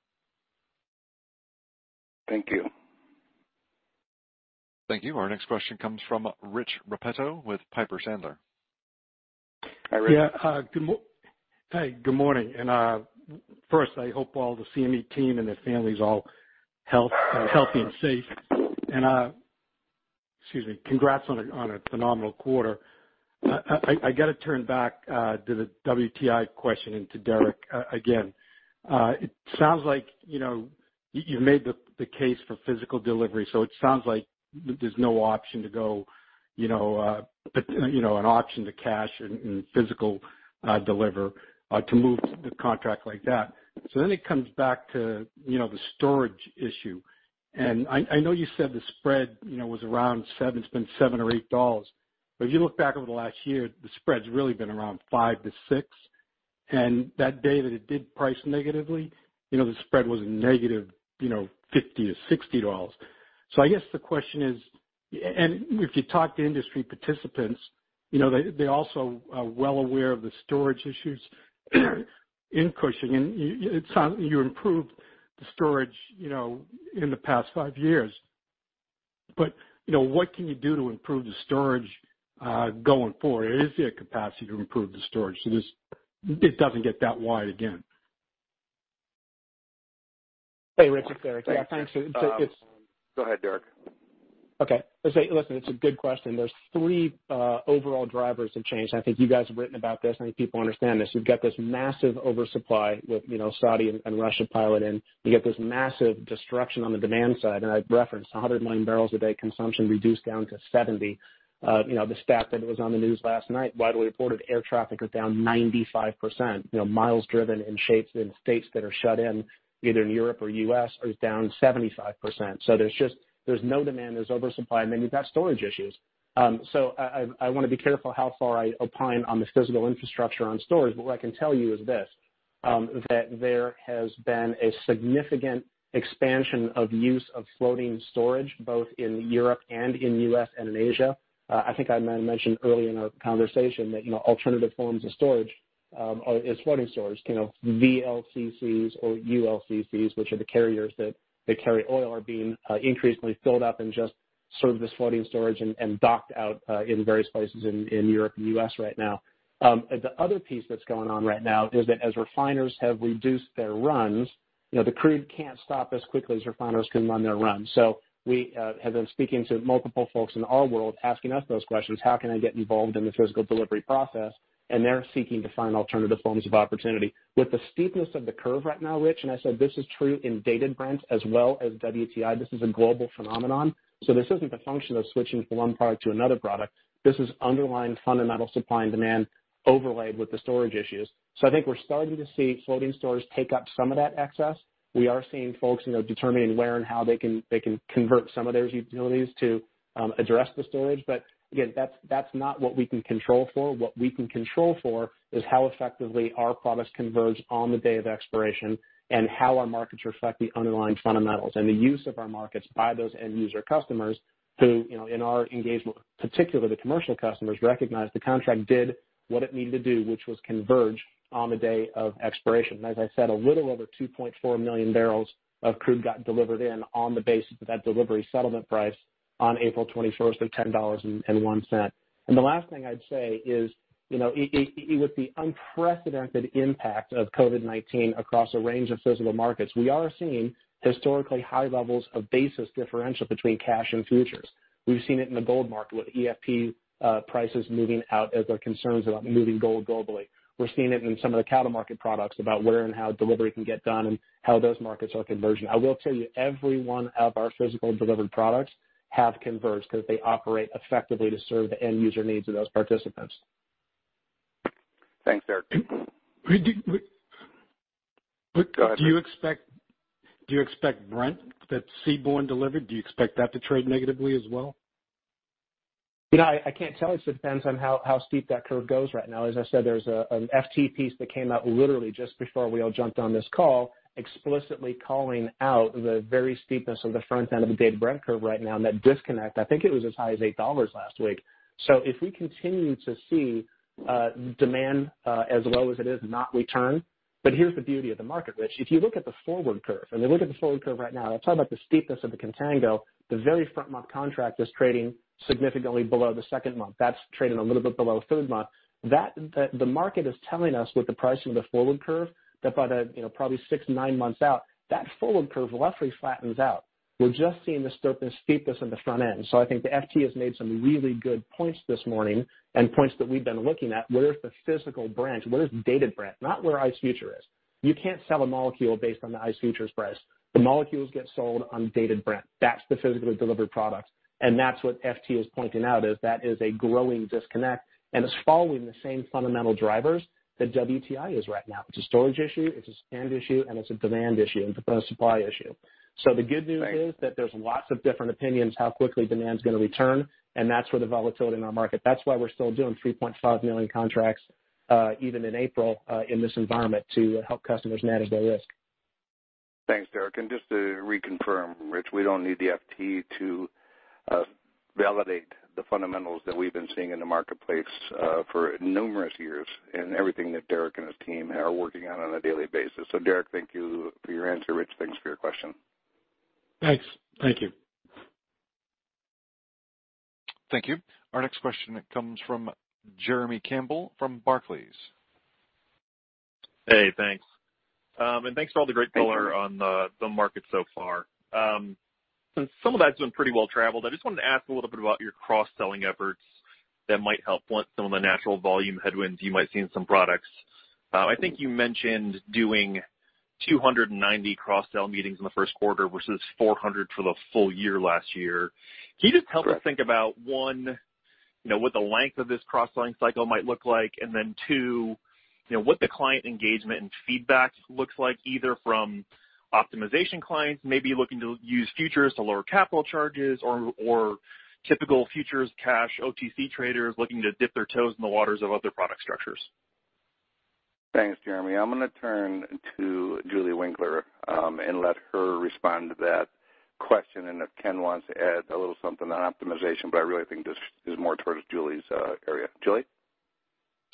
C: Thank you.
A: Thank you. Our next question comes from Rich Repetto with Piper Sandler.
C: Hi, Rich.
N: Good morning. First, I hope all the CME team and their families are all healthy and safe. Excuse me, congrats on a phenomenal quarter. I got to turn back to the WTI question and to Derek again. It sounds like you've made the case for physical delivery, it sounds like there's no option to cash in physical deliver to move the contract like that. It comes back to the storage issue. I know you said the spread was around $7 or $8, if you look back over the last year, the spread's really been around $5-$6. That day that it did price negatively, the spread was negative $50 to -$60. I guess the question is, and if you talk to industry participants, they also are well aware of the storage issues in Cushing, and it sounds you improved the storage in the past five years. What can you do to improve the storage going forward? Is there capacity to improve the storage so it doesn't get that wide again?
D: Hey, Rich, it's Derek.
N: Thanks.
D: Yeah, thanks.
C: Go ahead, Derek.
D: Okay. Listen, it's a good question. There's three overall drivers of change, and I think you guys have written about this, and I think people understand this. We've got this massive oversupply with Saudi and Russia piling in. We got this massive destruction on the demand side, and I referenced 100 million barrels a day consumption reduced down to 70. The stat that was on the news last night, widely reported air traffic was down 95%. Miles driven in states that are shut in, either in Europe or U.S., is down 75%. There's no demand, there's oversupply, and then you've got storage issues. I want to be careful how far I opine on the physical infrastructure on storage, but what I can tell you is this. That there has been a significant expansion of use of floating storage both in Europe and in U.S. and in Asia. I think I mentioned early in our conversation that alternative forms of storage is floating storage, VLCCs or ULCCs, which are the carriers that carry oil are being increasingly filled up and just sort of this floating storage and docked out in various places in Europe and U.S. right now. The other piece that's going on right now is that as refiners have reduced their runs, the crude can't stop as quickly as refiners can run their runs. We have been speaking to multiple folks in our world asking us those questions, "How can I get involved in the physical delivery process?" They're seeking to find alternative forms of opportunity. With the steepness of the curve right now, Rich, I said this is true in Dated Brent as well as WTI. This is a global phenomenon. This isn't a function of switching from one product to another product. This is underlying fundamental supply and demand overlaid with the storage issues. I think we're starting to see floating storage take up some of that excess. We are seeing folks determining where and how they can convert some of those utilities to address the storage. Again, that's not what we can control for. What we can control for is how effectively our products converge on the day of expiration and how our markets reflect the underlying fundamentals and the use of our markets by those end user customers who, in our engagement, particularly the commercial customers, recognize the contract did what it needed to do, which was converge on the day of expiration. As I said, a little over 2.4 million barrels of crude got delivered in on the basis of that delivery settlement price on April 21st of $10.01. The last thing I'd say is with the unprecedented impact of COVID-19 across a range of physical markets, we are seeing historically high levels of basis differential between cash and futures. We've seen it in the gold market with EFP prices moving out as there are concerns about moving gold globally. We're seeing it in some of the cattle market products about where and how delivery can get done and how those markets are converging. I will tell you, every one of our physical delivered products have converged because they operate effectively to serve the end user needs of those participants.
C: Thanks, Derek.
N: Do you expect Brent that seaborne delivered, do you expect that to trade negatively as well?
D: I can't tell. It depends on how steep that curve goes right now. As I said, there's an FT piece that came out literally just before we all jumped on this call, explicitly calling out the very steepness of the front end of the Dated Brent curve right now and that disconnect. I think it was as high as $8 last week. If we continue to see demand as low as it is not return. Here's the beauty of the market, Rich. If you look at the forward curve, and look at the forward curve right now, I'm talking about the steepness of the contango. The very front month contract is trading significantly below the second month. That's trading a little bit below third month. The market is telling us with the pricing of the forward curve that by probably six, nine months out, that forward curve roughly flattens out. We're just seeing the steepness in the front end. I think the FT has made some really good points this morning and points that we've been looking at. Where's the physical Brent? Where's Dated Brent? Not where ICE Futures is. You can't sell a molecule based on the ICE Futures price. The molecules get sold on Dated Brent. That's the physically delivered product, and that's what FT is pointing out is that is a growing disconnect, and it's following the same fundamental drivers that WTI is right now. It's a storage issue, it's a spend issue, and it's a demand issue and a supply issue. The good news is that there's lots of different opinions how quickly demand is going to return, and that's where the volatility in our market. That's why we're still doing 3.5 million contracts even in April in this environment to help customers manage their risk.
C: Thanks, Derek. Just to reconfirm, Rich, we don't need the FT to validate the fundamentals that we've been seeing in the marketplace for numerous years and everything that Derek and his team are working on a daily basis. Derek, thank you for your answer. Rich, thanks for your question.
N: Thanks. Thank you.
A: Thank you. Our next question comes from Jeremy Campbell from Barclays.
O: Hey, thanks. Thanks for all the great color on the market so far. Since some of that's been pretty well traveled, I just wanted to ask a little bit about your cross-selling efforts that might help blunt some of the natural volume headwinds you might see in some products. I think you mentioned doing 290 cross-sell meetings in the first quarter versus 400 for the full year last year. Can you just help us think about, one, what the length of this cross-selling cycle might look like, and then two, what the client engagement and feedback looks like, either from optimization clients maybe looking to use futures to lower capital charges or typical futures cash OTC traders looking to dip their toes in the waters of other product structures.
C: Thanks, Jeremy. I'm going to turn to Julie Winkler and let her respond to that question. If Ken wants to add a little something on optimization, but I really think this is more towards Julie's area. Julie?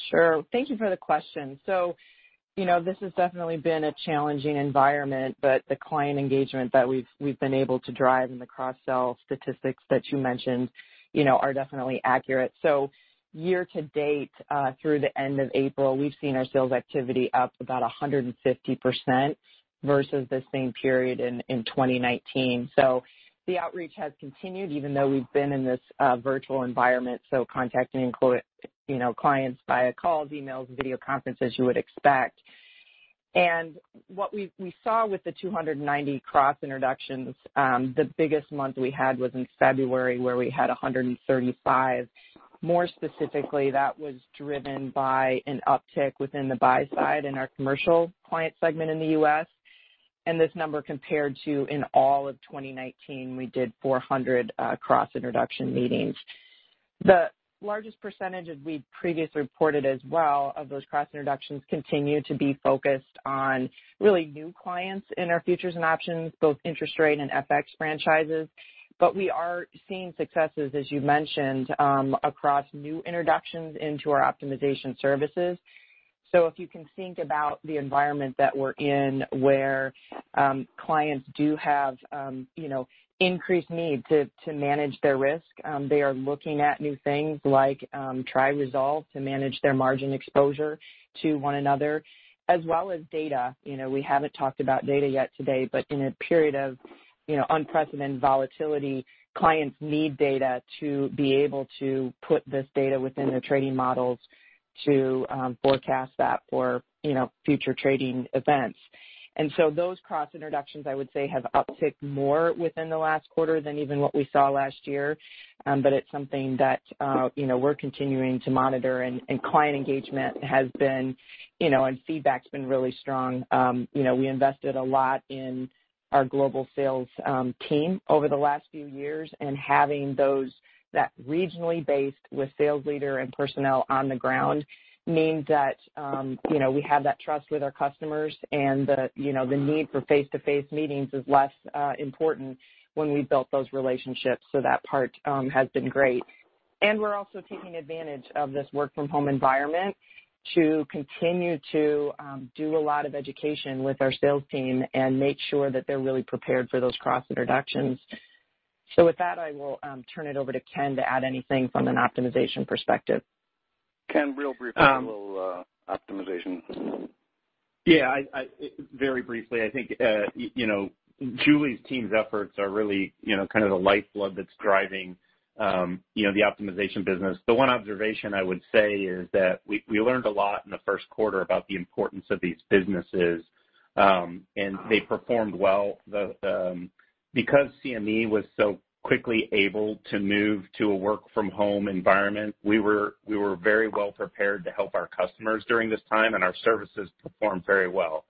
P: Sure. Thank you for the question. This has definitely been a challenging environment, but the client engagement that we've been able to drive and the cross-sell statistics that you mentioned are definitely accurate. Year to date through the end of April, we've seen our sales activity up about 150% versus the same period in 2019. The outreach has continued even though we've been in this virtual environment, so contacting clients via calls, emails, video conferences, you would expect. What we saw with the 290 cross introductions, the biggest month we had was in February, where we had 135. More specifically, that was driven by an uptick within the buy side in our commercial client segment in the U.S. This number compared to in all of 2019, we did 400 cross introduction meetings. The largest percentage as we've previously reported as well of those cross introductions continue to be focused on really new clients in our futures and options, both interest rate and FX franchises. We are seeing successes, as you mentioned, across new introductions into our optimization services. If you can think about the environment that we're in, where clients do have increased need to manage their risk, they are looking at new things like triResolve to manage their margin exposure to one another, as well as data. We haven't talked about data yet today, but in a period of unprecedented volatility, clients need data to be able to put this data within their trading models to forecast that for future trading events. Those cross introductions, I would say, have upticked more within the last quarter than even what we saw last year. It's something that we're continuing to monitor and client engagement has been, and feedback's been really strong. We invested a lot in our global sales team over the last few years, and having those that regionally based with sales leader and personnel on the ground means that we have that trust with our customers and the need for face-to-face meetings is less important when we built those relationships. That part has been great. We're also taking advantage of this work from home environment to continue to do a lot of education with our sales team and make sure that they're really prepared for those cross introductions. With that, I will turn it over to Ken to add anything from an optimization perspective.
C: Ken, real briefly, a little optimization.
H: Very briefly, I think Julie's team's efforts are really kind of the lifeblood that's driving the optimization business. The one observation I would say is that we learned a lot in the first quarter about the importance of these businesses, and they performed well. Because CME was so quickly able to move to a work from home environment, we were very well prepared to help our customers during this time, and our services performed very well.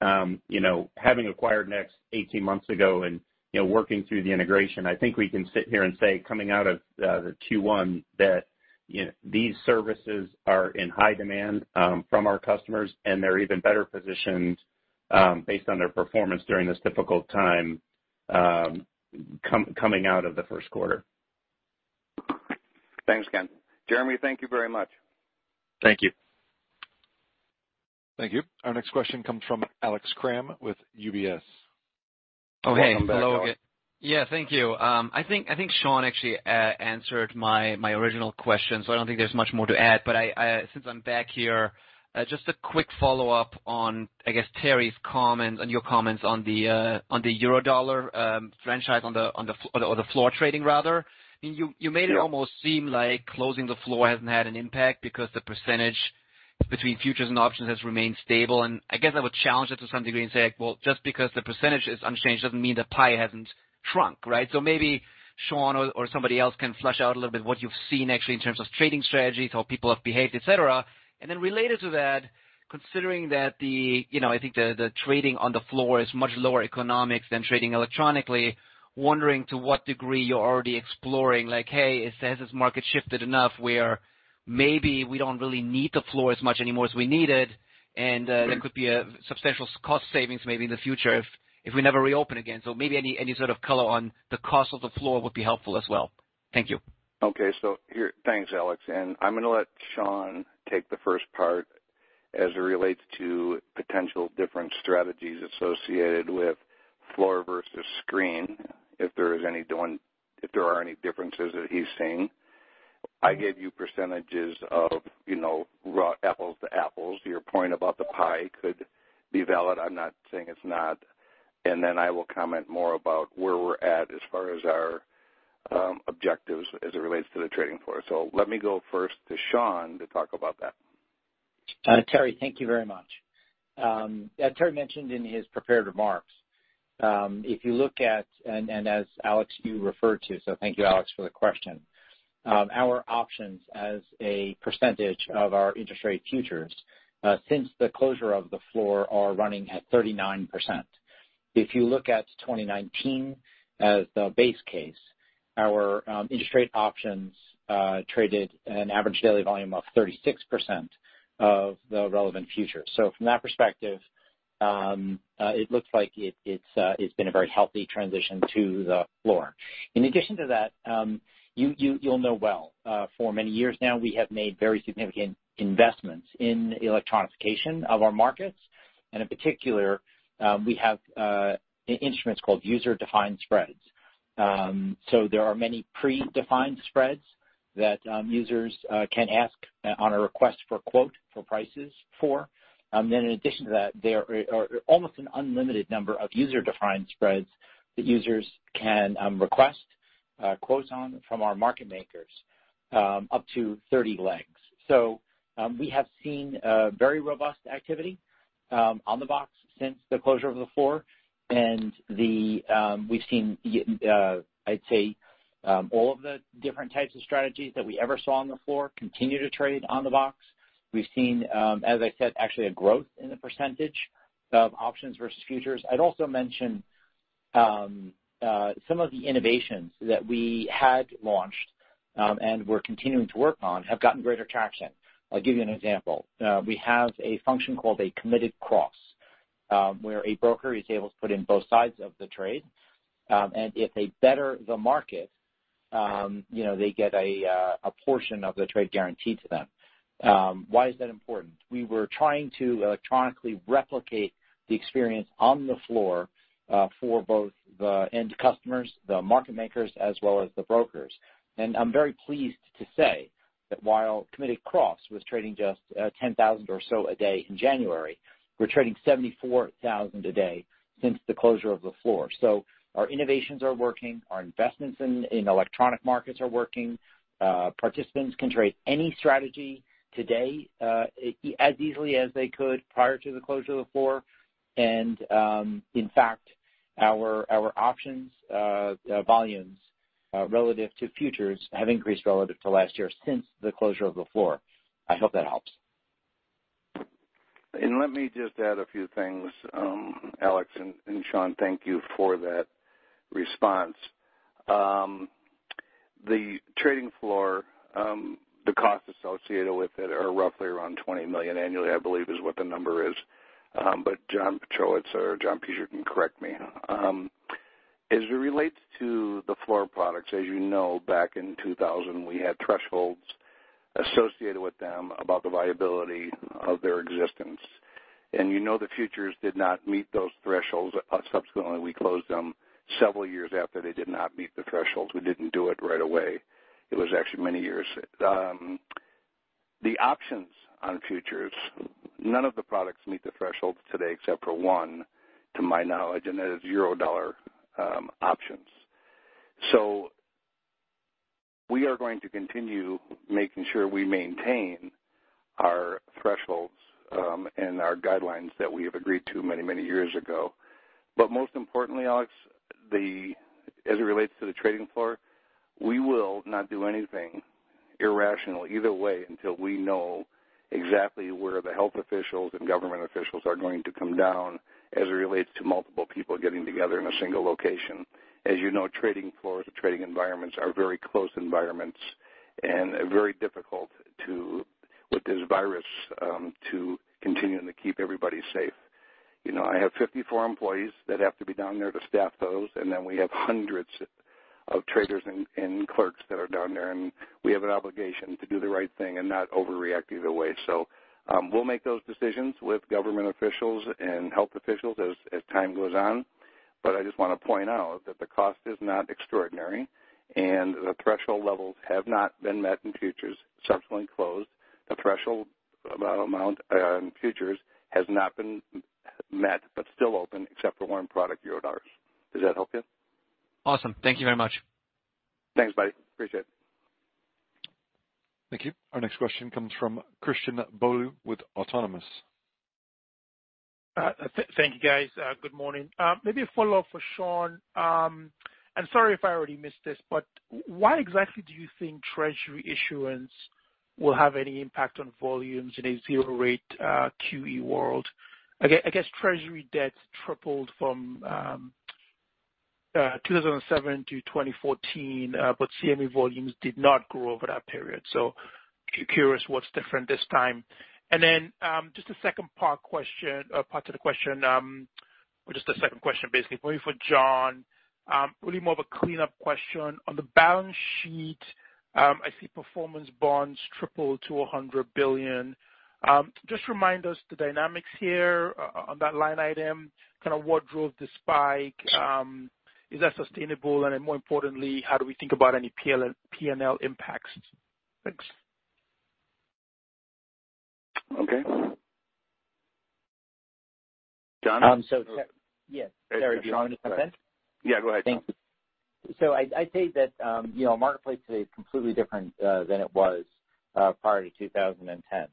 H: Having acquired NEX 18 months ago and working through the integration, I think we can sit here and say, coming out of the Q1, that these services are in high demand from our customers, and they're even better positioned based on their performance during this difficult time coming out of the first quarter.
C: Thanks, Ken. Jeremy, thank you very much.
H: Thank you.
A: Thank you. Our next question comes from Alex Kramm with UBS.
I: Oh, hey.
C: Welcome back, Alex.
I: Yeah, thank you. I think Sean actually answered my original question, so I don't think there's much more to add, but since I'm back here, just a quick follow-up on, I guess, Terry's comments and your comments on the Eurodollar franchise on the floor trading rather. You made it almost seem like closing the floor hasn't had an impact because the percentage between futures and options has remained stable, and I guess I would challenge that to some degree and say, well, just because the percentage is unchanged doesn't mean the pie hasn't shrunk, right? Maybe Sean or somebody else can flesh out a little bit what you've seen actually in terms of trading strategies, how people have behaved, et cetera. Related to that, considering that the trading on the floor is much lower economics than trading electronically, wondering to what degree you're already exploring, like, hey, has this market shifted enough where maybe we don't really need the floor as much anymore as we needed, and there could be a substantial cost savings maybe in the future if we never reopen again? Maybe any sort of color on the cost of the floor would be helpful as well. Thank you.
C: Okay. Thanks, Alex, and I'm gonna let Sean take the first part as it relates to potential different strategies associated with floor versus screen, if there are any differences that he's seeing. I gave you percentages of raw apples to apples. Your point about the pie could be valid. I'm not saying it's not. Then I will comment more about where we're at as far as our objectives as it relates to the trading floor. Let me go first to Sean to talk about that.
K: Terry, thank you very much. As Terry mentioned in his prepared remarks, if you look at, and as Alex, you referred to. Thank you, Alex, for the question. Our options as a percentage of our interest rate futures, since the closure of the floor are running at 39%. If you look at 2019 as the base case, our interest rate options traded an average daily volume of 36% of the relevant futures. From that perspective, it looks like it's been a very healthy transition to the floor. In addition to that, you'll know well, for many years now, we have made very significant investments in electronification of our markets, and in particular, we have instruments called User-Defined Spreads. There are many predefined spreads that users can ask on a request for quote for prices for. In addition to that, there are almost an unlimited number of User-Defined Spreads that users can request quotes on from our market makers up to 30 legs. We have seen very robust activity on the box since the closure of the floor and we've seen I'd say all of the different types of strategies that we ever saw on the floor continue to trade on the box. We've seen, as I said, actually a growth in the percentage of options versus futures. I'd also mention some of the innovations that we had launched, and we're continuing to work on, have gotten greater traction. I'll give you an example. We have a function called a Committed Cross, where a broker is able to put in both sides of the trade, and if they better the market, they get a portion of the trade guaranteed to them. Why is that important? We were trying to electronically replicate the experience on the floor for both the end customers, the market makers, as well as the brokers. I'm very pleased to say that while Committed Cross was trading just 10,000 or so a day in January, we're trading 74,000 a day since the closure of the floor. Our innovations are working, our investments in electronic markets are working. Participants can trade any strategy today as easily as they could prior to the closure of the floor. In fact, our options volumes relative to futures have increased relative to last year since the closure of the floor. I hope that helps.
C: Let me just add a few things. Alex and Sean, thank you for that response. The trading floor, the cost associated with it are roughly around $20 million annually, I believe is what the number is. John Pietrowicz or John Pietrowicz can correct me. As it relates to the floor products, as you know, back in 2000, we had thresholds associated with them about the viability of their existence. You know the futures did not meet those thresholds, subsequently, we closed them several years after they did not meet the thresholds. We didn't do it right away. It was actually many years. The options on futures, none of the products meet the thresholds today except for one, to my knowledge, and that is Eurodollar options. We are going to continue making sure we maintain our thresholds and our guidelines that we have agreed to many, many years ago. Most importantly, Alex, as it relates to the trading floor, we will not do anything irrational either way until we know exactly where the health officials and government officials are going to come down as it relates to multiple people getting together in a single location. As you know, trading floors or trading environments are very close environments and very difficult with this virus to continuing to keep everybody safe. I have 54 employees that have to be down there to staff those, and then we have hundreds of traders and clerks that are down there, and we have an obligation to do the right thing and not overreact either way. We'll make those decisions with government officials and health officials as time goes on, but I just want to point out that the cost is not extraordinary and the threshold levels have not been met in futures subsequently closed. The threshold amount on futures has not been met but still open except for one product, Eurodollars. Does that help you?
I: Awesome. Thank you very much.
C: Thanks, buddy. Appreciate it.
A: Thank you. Our next question comes from Christian Bolu with Autonomous.
Q: Thank you, guys. Good morning. Maybe a follow-up for Sean. Sorry if I already missed this, but why exactly do you think Treasury issuance will have any impact on volumes in a zero rate QE world? I guess Treasury debt tripled from 2007 to 2014, but CME volumes did not grow over that period. Curious what's different this time. Just a second part to the question, or just a second question, basically, maybe for John, really more of a cleanup question. On the balance sheet, I see performance bonds triple to $100 billion. Just remind us the dynamics here on that line item, kind of what drove the spike. Is that sustainable? More importantly, how do we think about any P&L impacts? Thanks.
C: Okay. John?
E: Yeah. Sorry, Sean, you want to jump in?
C: Yeah, go ahead.
K: I'd say that the marketplace today is completely different than it was prior to 2010.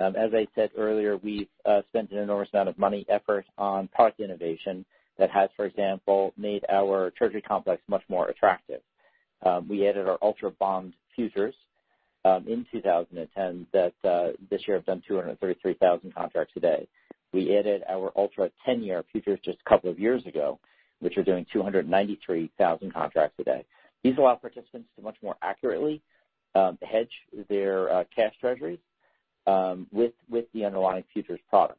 K: As I said earlier, we've spent an enormous amount of money, effort on product innovation that has, for example, made our treasury complex much more attractive. We added our Ultra Bond futures in 2010 that this year have done 233,000 contracts a day. We added our Ultra 10-Year futures just a couple of years ago, which are doing 293,000 contracts a day. These allow participants to much more accurately hedge their cash treasuries with the underlying futures products.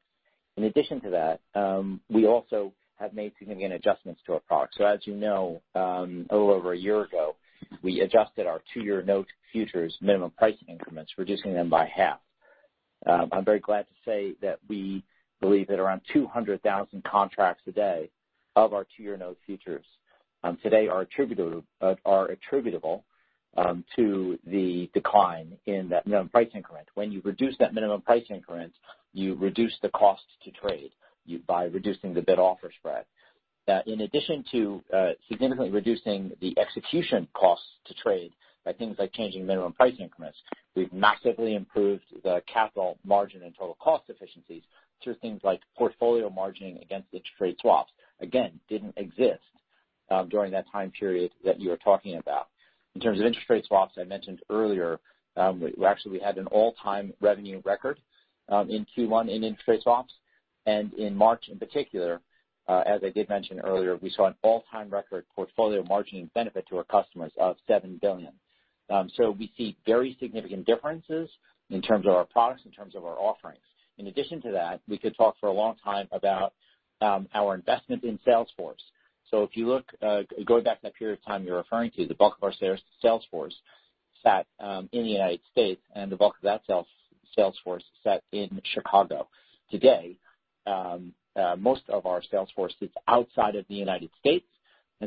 K: In addition to that, we also have made significant adjustments to our product. As you know, a little over a year ago, we adjusted our Two-Year Note futures minimum pricing increments, reducing them by half. I'm very glad to say that we believe that around 200,000 contracts a day of our Two-Year Note futures today are attributable to the decline in that minimum pricing increment. When you reduce that minimum pricing increment, you reduce the cost to trade by reducing the bid-offer spread. In addition to significantly reducing the execution costs to trade by things like changing minimum pricing increments, we've massively improved the capital margin and total cost efficiencies through things like portfolio margining against which trade swaps, again, didn't exist during that time period that you are talking about. In terms of interest rate swaps, I mentioned earlier, we actually had an all-time revenue record in Q1 in interest rate swaps. In March in particular, as I did mention earlier, we saw an all-time record portfolio margining benefit to our customers of $7 billion. We see very significant differences in terms of our products, in terms of our offerings. In addition to that, we could talk for a long time about our investment in sales force. If you look, going back to that period of time you're referring to, the bulk of our sales force sat in the United States, and the bulk of that sales force sat in Chicago. Today, most of our sales force sits outside of the United States,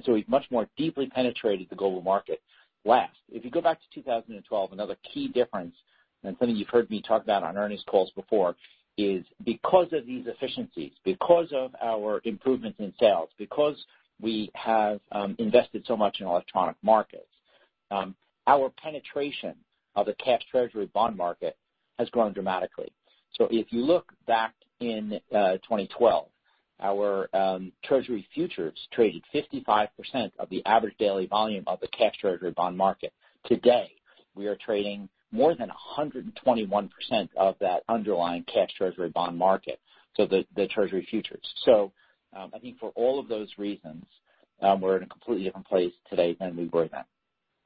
K: we've much more deeply penetrated the global market. Last, if you go back to 2012, another key difference, and something you've heard me talk about on earnings calls before, is because of these efficiencies, because of our improvements in sales, because we have invested so much in electronic markets, our penetration of the cash treasury bond market has grown dramatically. If you look back in 2012, our treasury futures traded 55% of the average daily volume of the cash treasury bond market. Today, we are trading more than 121% of that underlying cash treasury bond market, so the treasury futures. I think for all of those reasons, we're in a completely different place today than we were then.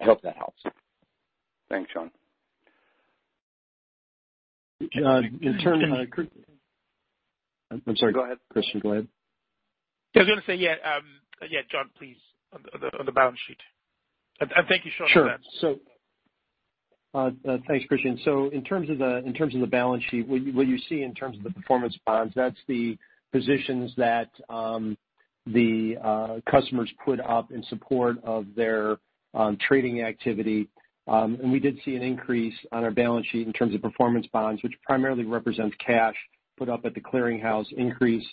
K: I hope that helps.
C: Thanks, John. John, I'm sorry, go ahead. Christian, go ahead.
Q: I was going to say, yeah, John, please, on the balance sheet. Thank you, Sean, for that.
E: Sure. Thanks, Christian. In terms of the balance sheet, what you see in terms of the performance bonds, that's the positions that the customers put up in support of their trading activity. We did see an increase on our balance sheet in terms of performance bonds, which primarily represents cash put up at the clearinghouse increase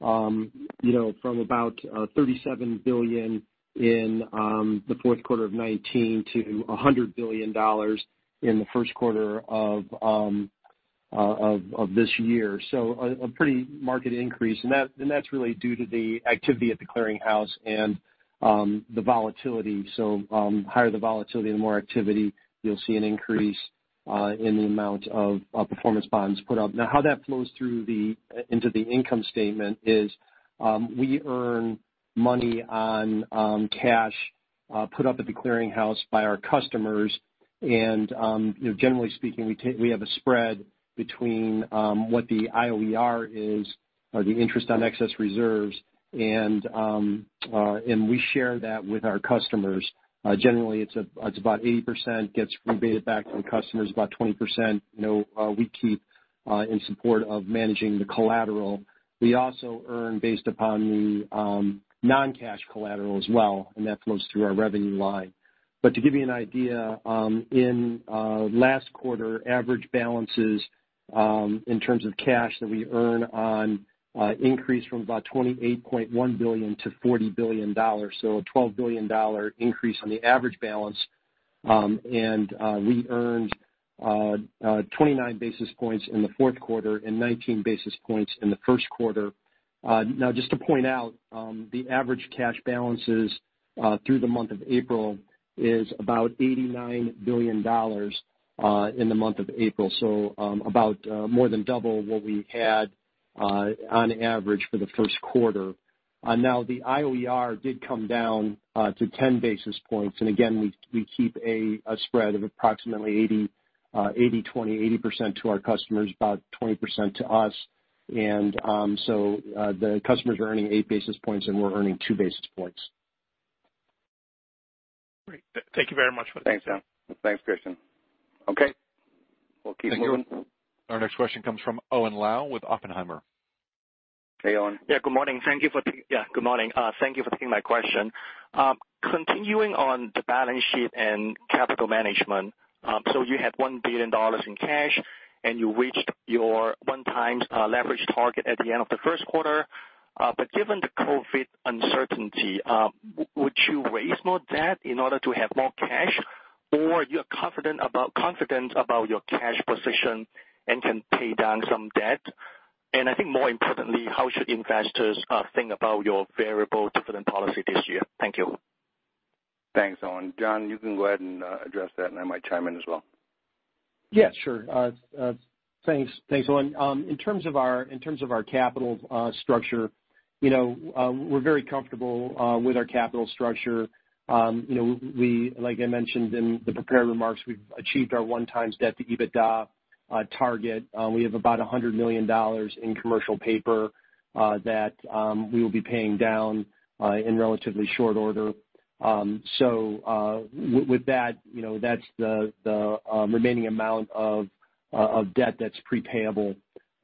E: from about $37 billion in the fourth quarter of 2019 to $100 billion in the first quarter of this year. A pretty marked increase. That's really due to the activity at the clearinghouse and the volatility. The higher the volatility, the more activity, you'll see an increase in the amount of performance bonds put up. Now, how that flows through into the income statement is we earn money on cash put up at the clearinghouse by our customers. Generally speaking, we have a spread between what the IOER is, or the interest on excess reserves, and we share that with our customers. Generally, it's about 80% gets rebated back to the customers, about 20% we keep in support of managing the collateral. We also earn based upon the non-cash collateral as well, and that flows through our revenue line. To give you an idea, in last quarter, average balances in terms of cash that we earn on increase from about $28.1 billion to $40 billion, so a $12 billion increase on the average balance. We earned 29 basis points in the fourth quarter and 19 basis points in the first quarter. Just to point out, the average cash balances through the month of April is about $89 billion in the month of April. About more than double what we had on average for the first quarter. The IOER did come down to 10 basis points. Again, we keep a spread of approximately 80/20, 80% to our customers, about 20% to us. The customers are earning 8 basis points and we're earning 2 basis points.
Q: Great. Thank you very much for that.
C: Thanks, John. Thanks, Christian. Okay. We'll keep moving.
A: Thank you. Our next question comes from Owen Lau with Oppenheimer.
C: Hey, Owen.
R: Yeah, good morning. Thank you for taking my question. Continuing on the balance sheet and capital management, you had $1 billion in cash, and you reached your 1 times leverage target at the end of the first quarter. Given the COVID uncertainty, would you raise more debt in order to have more cash? You're confident about your cash position and can pay down some debt? I think more importantly, how should investors think about your variable dividend policy this year? Thank you.
C: Thanks, Owen. John, you can go ahead and address that, and I might chime in as well.
E: Yeah, sure. Thanks, Owen. In terms of our capital structure, we're very comfortable with our capital structure. Like I mentioned in the prepared remarks, we've achieved our one times debt to EBITDA target. We have about $100 million in commercial paper that we will be paying down in relatively short order. With that's the remaining amount of debt that's pre-payable.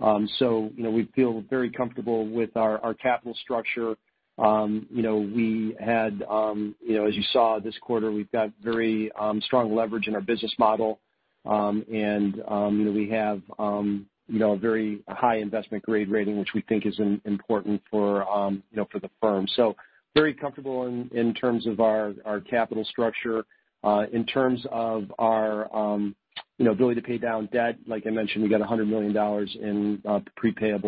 E: We feel very comfortable with our capital structure. As you saw this quarter, we've got very strong leverage in our business model. We have a very high investment grade rating, which we think is important for the firm. Very comfortable in terms of our capital structure. Ability to pay down debt. Like I mentioned, we got $100 million in prepaid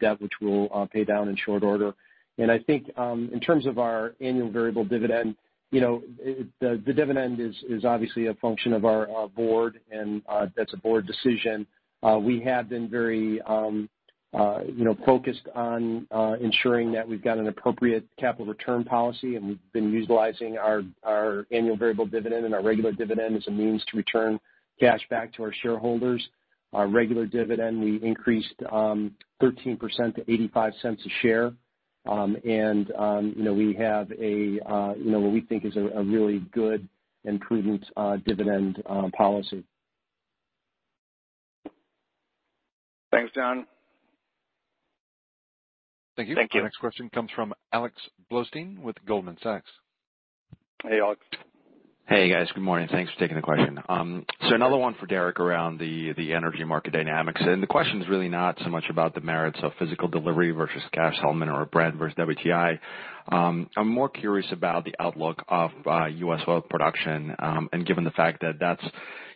E: debt, which we'll pay down in short order. I think, in terms of our annual variable dividend, the dividend is obviously a function of our board, and that's a board decision. We have been very focused on ensuring that we've got an appropriate capital return policy, and we've been utilizing our annual variable dividend and our regular dividend as a means to return cash back to our shareholders. Our regular dividend, we increased 13% to $0.85 a share. We have what we think is a really good and prudent dividend policy.
C: Thanks, John.
A: Thank you.
C: Thank you.
A: Our next question comes from Alex Blostein with Goldman Sachs.
C: Hey, Alex.
S: Hey, guys. Good morning. Thanks for taking the question. Another one for Derek around the energy market dynamics, and the question is really not so much about the merits of physical delivery versus cash settlement or Brent versus WTI. I'm more curious about the outlook of U.S. oil production, and given the fact that that's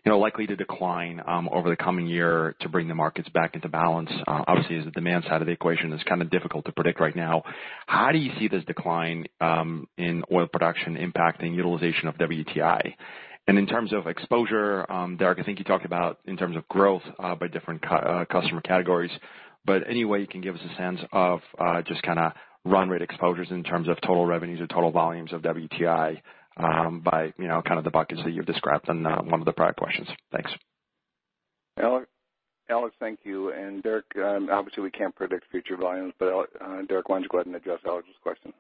S: likely to decline over the coming year to bring the markets back into balance. Obviously, as the demand side of the equation is kind of difficult to predict right now. How do you see this decline in oil production impacting utilization of WTI? In terms of exposure, Derek, I think you talked about in terms of growth by different customer categories, but any way you can give us a sense of just kind of run rate exposures in terms of total revenues or total volumes of WTI by kind of the buckets that you've described in one of the prior questions? Thanks.
C: Alex, thank you. Derek, obviously we can't predict future volumes, but Derek, why don't you go ahead and address Alex's question?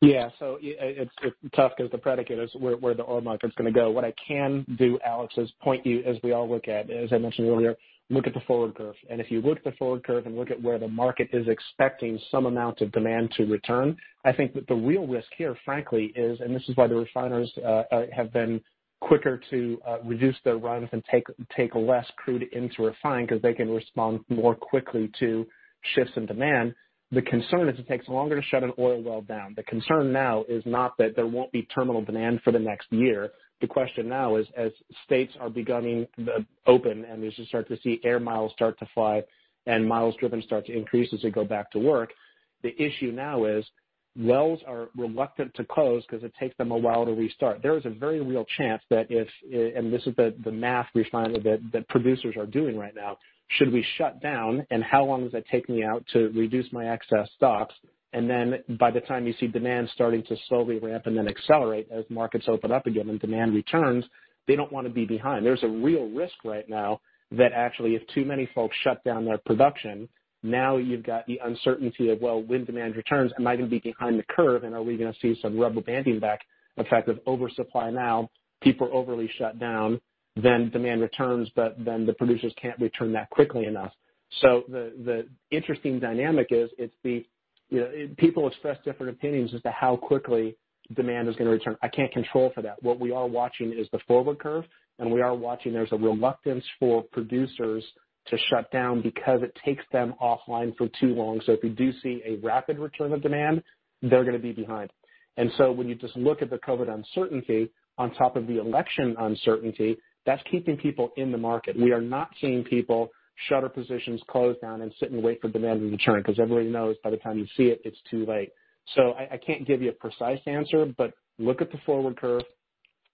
D: Yeah. It's tough because the predicate is where the oil market's going to go. What I can do, Alex, is point you, as we all look at, as I mentioned earlier, look at the forward curve. If you look at the forward curve and look at where the market is expecting some amount of demand to return, I think that the real risk here, frankly, is, and this is why the refiners have been quicker to reduce their runs and take less crude into refine because they can respond more quickly to shifts in demand. The concern is it takes longer to shut an oil well down. The concern now is not that there won't be terminal demand for the next year. The question now is as states are beginning to open, and as you start to see air miles start to fly and miles driven start to increase as we go back to work, the issue now is wells are reluctant to close because it takes them a while to restart. There is a very real chance that if, and this is the math that producers are doing right now, should we shut down, and how long does that take me out to reduce my excess stocks? By the time you see demand starting to slowly ramp and then accelerate as markets open up again and demand returns, they don't want to be behind. There's a real risk right now that actually if too many folks shut down their production, now you've got the uncertainty of, well, when demand returns, am I going to be behind the curve? Are we going to see some rubber banding back? In fact, if oversupply now, people are overly shut down, demand returns, but the producers can't return that quickly enough. The interesting dynamic is it's the people express different opinions as to how quickly demand is going to return. I can't control for that. What we are watching is the forward curve, we are watching there's a reluctance for producers to shut down because it takes them offline for too long. If we do see a rapid return of demand, they're going to be behind. When you just look at the COVID uncertainty on top of the election uncertainty, that's keeping people in the market. We are not seeing people shutter positions, close down, and sit and wait for demand to return because everybody knows by the time you see it's too late. I can't give you a precise answer, but look at the forward curve,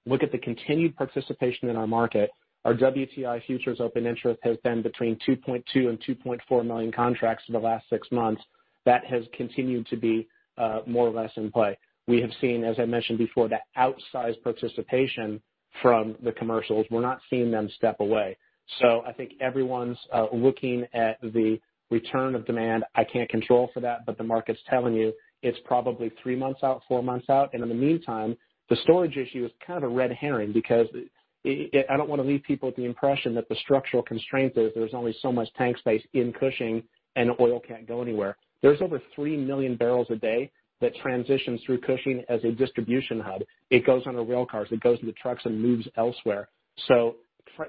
D: look at the continued participation in our market. Our WTI futures open interest has been between 2.2 million and 2.4 million contracts for the last six months. That has continued to be more or less in play. We have seen, as I mentioned before, the outsized participation from the commercials. We're not seeing them step away. I think everyone's looking at the return of demand. I can't control for that, but the market's telling you it's probably three months out, four months out. In the meantime, the storage issue is kind of a red herring because I don't want to leave people with the impression that the structural constraint is there's only so much tank space in Cushing and oil can't go anywhere. There's over 3 million barrels a day that transitions through Cushing as a distribution hub. It goes onto rail cars, it goes into trucks and moves elsewhere.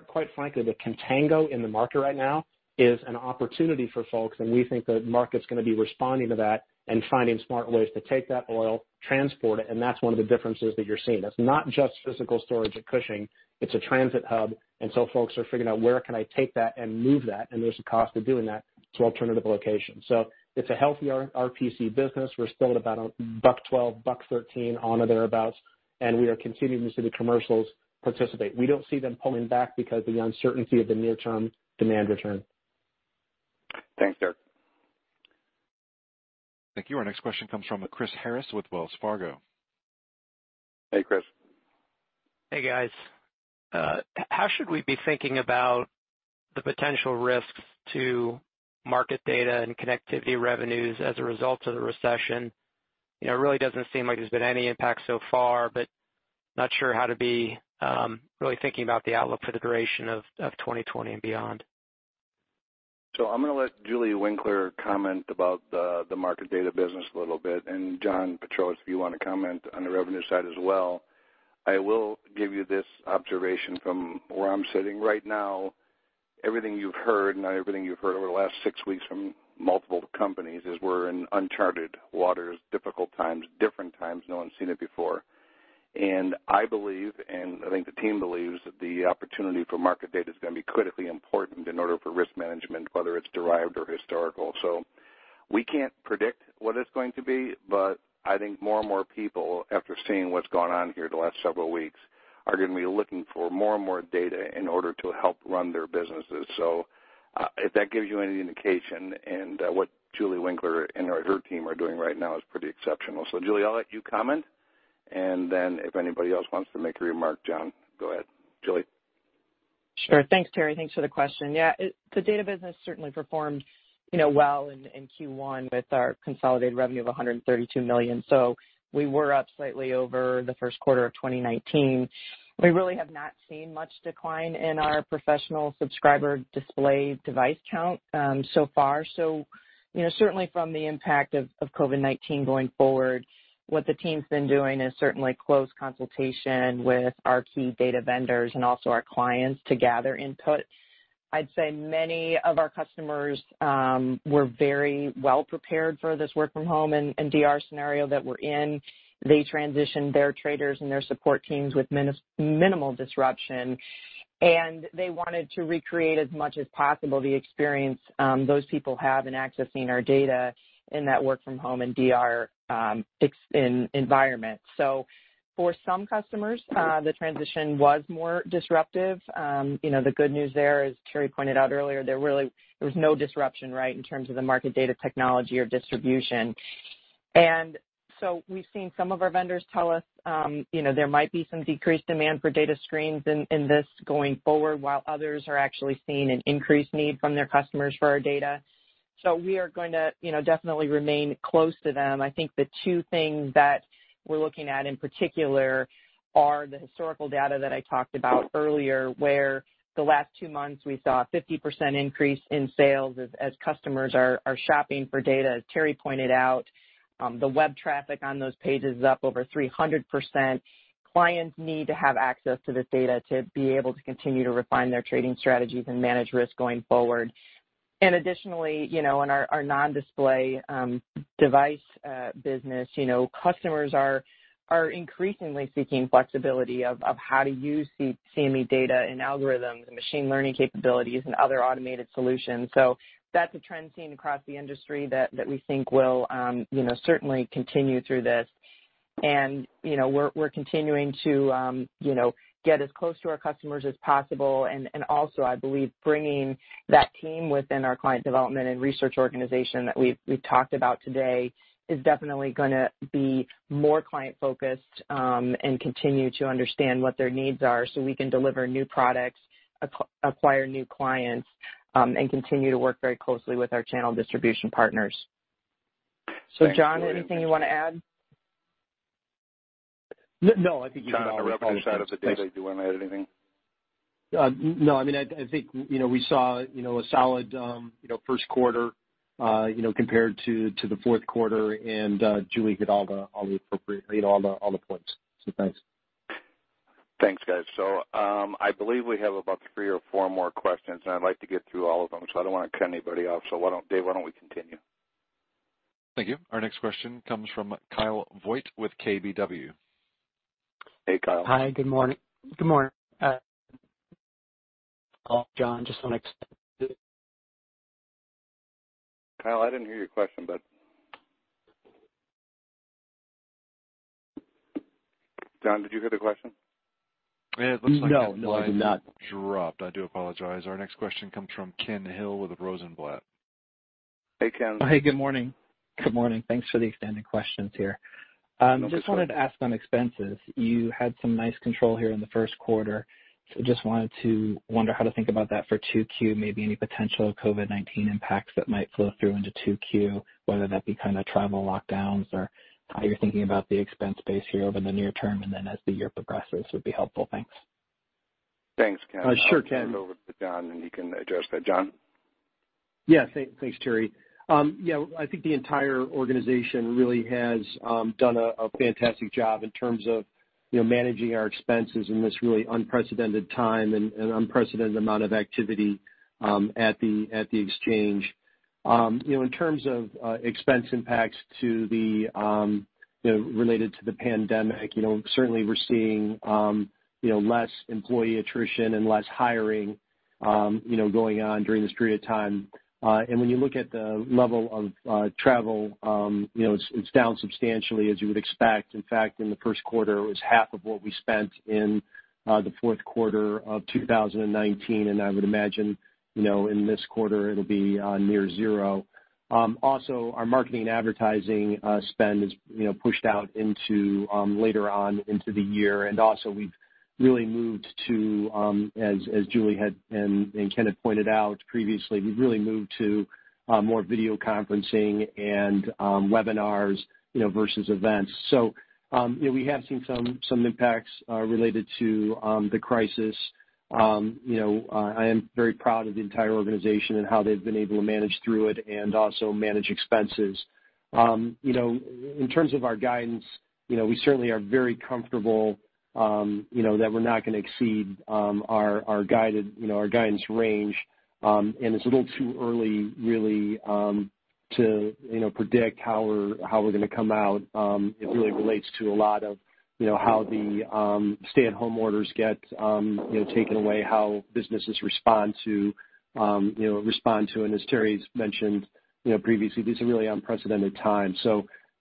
D: Quite frankly, the contango in the market right now is an opportunity for folks, and we think the market's going to be responding to that and finding smart ways to take that oil, transport it, and that's one of the differences that you're seeing. It's not just physical storage at Cushing. It's a transit hub. Folks are figuring out where can I take that and move that, and there's a cost of doing that to alternative locations. It's a healthy RPC business. We're still at about $1.12, $1.13 on or thereabouts, and we are continuing to see the commercials participate. We don't see them pulling back because of the uncertainty of the near-term demand return.
C: Thanks, Derek.
A: Thank you. Our next question comes from Chris Harris with Wells Fargo.
C: Hey, Chris.
T: Hey, guys. How should we be thinking about the potential risks to market data and connectivity revenues as a result of the recession? It really doesn't seem like there's been any impact so far, not sure how to be really thinking about the outlook for the duration of 2020 and beyond.
C: I'm going to let Julie Winkler comment about the market data business a little bit, and John Pietrowicz, if you want to comment on the revenue side as well. I will give you this observation from where I'm sitting right now. Everything you've heard, not everything you've heard over the last six weeks from multiple companies, is we're in uncharted waters, difficult times, different times. No one's seen it before. I believe, and I think the team believes, that the opportunity for market data is going to be critically important in order for risk management, whether it's derived or historical. We can't predict what it's going to be, but I think more and more people, after seeing what's gone on here the last several weeks, are going to be looking for more and more data in order to help run their businesses. If that gives you any indication and what Julie Winkler and her team are doing right now is pretty exceptional. Julie, I'll let you comment, and then if anybody else wants to make a remark, John, go ahead. Julie?
P: Thanks, Terry. Thanks for the question. The data business certainly performed well in Q1 with our consolidated revenue of $132 million. We were up slightly over the first quarter of 2019. We really have not seen much decline in our professional subscriber display device count, so far. Certainly from the impact of COVID-19 going forward, what the team's been doing is certainly close consultation with our key data vendors and also our clients to gather input. I'd say many of our customers were very well-prepared for this work from home and DR scenario that we're in. They transitioned their traders and their support teams with minimal disruption, and they wanted to recreate as much as possible the experience those people have in accessing our data in that work from home and DR environment. For some customers, the transition was more disruptive. The good news there, as Terry pointed out earlier, there was no disruption, right, in terms of the market data technology or distribution. We've seen some of our vendors tell us there might be some decreased demand for data screens in this going forward, while others are actually seeing an increased need from their customers for our data. We are going to definitely remain close to them. I think the two things that we're looking at in particular are the historical data that I talked about earlier, where the last two months we saw a 50% increase in sales as customers are shopping for data. As Terry pointed out, the web traffic on those pages is up over 300%. Clients need to have access to this data to be able to continue to refine their trading strategies and manage risk going forward. Additionally, in our non-display device business, customers are increasingly seeking flexibility of how to use CME data and algorithms and machine learning capabilities and other automated solutions. That's a trend seen across the industry that we think will certainly continue through this. We're continuing to get as close to our customers as possible. Also, I believe bringing that team within our client development and research organization that we've talked about today is definitely going to be more client-focused, and continue to understand what their needs are so we can deliver new products, acquire new clients, and continue to work very closely with our channel distribution partners.
C: Thanks, Julie.
P: John, anything you want to add?
E: No, I think you hit all the points.
C: John, on the revenue side of the data, do you want to add anything?
E: No, I think we saw a solid first quarter compared to the fourth quarter, and Julie hit all the appropriate points. Thanks.
C: Thanks, guys. I believe we have about three or four more questions, and I'd like to get through all of them, so I don't want to cut anybody off. Dave, why don't we continue?
A: Thank you. Our next question comes from Kyle Voigt with KBW.
C: Hey, Kyle.
U: Hi, good morning. John,
C: Kyle, I didn't hear your question, bud. John, did you hear the question?
E: No, I did not.
A: It looks like Kyle's line dropped. I do apologize. Our next question comes from Ken Hill with Rosenblatt.
V: Hey, Ken. Hi, good morning.
E: Good morning. Thanks for the extended questions here. No question.
V: Just wanted to ask on expenses. You had some nice control here in the first quarter. Just wanted to wonder how to think about that for 2Q, maybe any potential COVID-19 impacts that might flow through into 2Q, whether that be kind of travel lockdowns or how you're thinking about the expense base here over the near term and then as the year progresses would be helpful. Thanks.
C: Thanks, Ken. Sure, Ken. I'll turn it over to John, and he can address that. John?
E: Yeah. Thanks, Terry. I think the entire organization really has done a fantastic job in terms of managing our expenses in this really unprecedented time and unprecedented amount of activity at the exchange. In terms of expense impacts related to the pandemic, certainly we're seeing less employee attrition and less hiring going on during this period of time. When you look at the level of travel, it's down substantially as you would expect. In fact, in the first quarter, it was half of what we spent in the fourth quarter of 2019, and I would imagine, in this quarter, it'll be near zero. Also, our marketing and advertising spend is pushed out into later on into the year. We've really moved to, as Julie and Ken had pointed out previously, we've really moved to more video conferencing and webinars versus events. We have seen some impacts related to the crisis. I am very proud of the entire organization and how they've been able to manage through it and also manage expenses. In terms of our guidance, we certainly are very comfortable that we're not going to exceed our guidance range. It's a little too early, really, to predict how we're going to come out. It really relates to a lot of how the stay-at-home orders get taken away, how businesses respond to. As Terry's mentioned previously, these are really unprecedented times.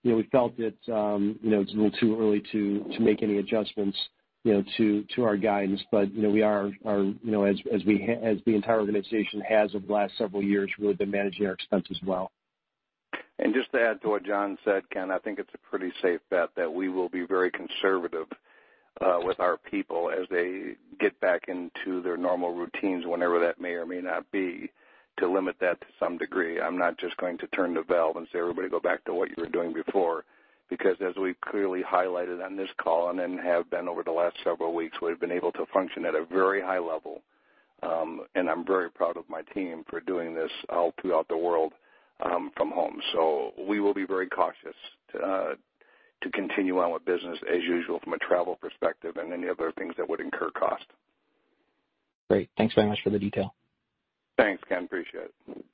E: We felt that it's a little too early to make any adjustments to our guidance. We are, as the entire organization has over the last several years, really been managing our expenses well.
C: Just to add to what John said, Ken, I think it's a pretty safe bet that we will be very conservative with our people as they get back into their normal routines, whenever that may or may not be, to limit that to some degree. I'm not just going to turn the valve and say, "Everybody go back to what you were doing before." As we've clearly highlighted on this call, and have been over the last several weeks, we've been able to function at a very high level. I'm very proud of my team for doing this all throughout the world from home. We will be very cautious to continue on with business as usual from a travel perspective and any other things that would incur cost.
V: Great. Thanks very much for the detail.
C: Thanks, Ken. Appreciate it.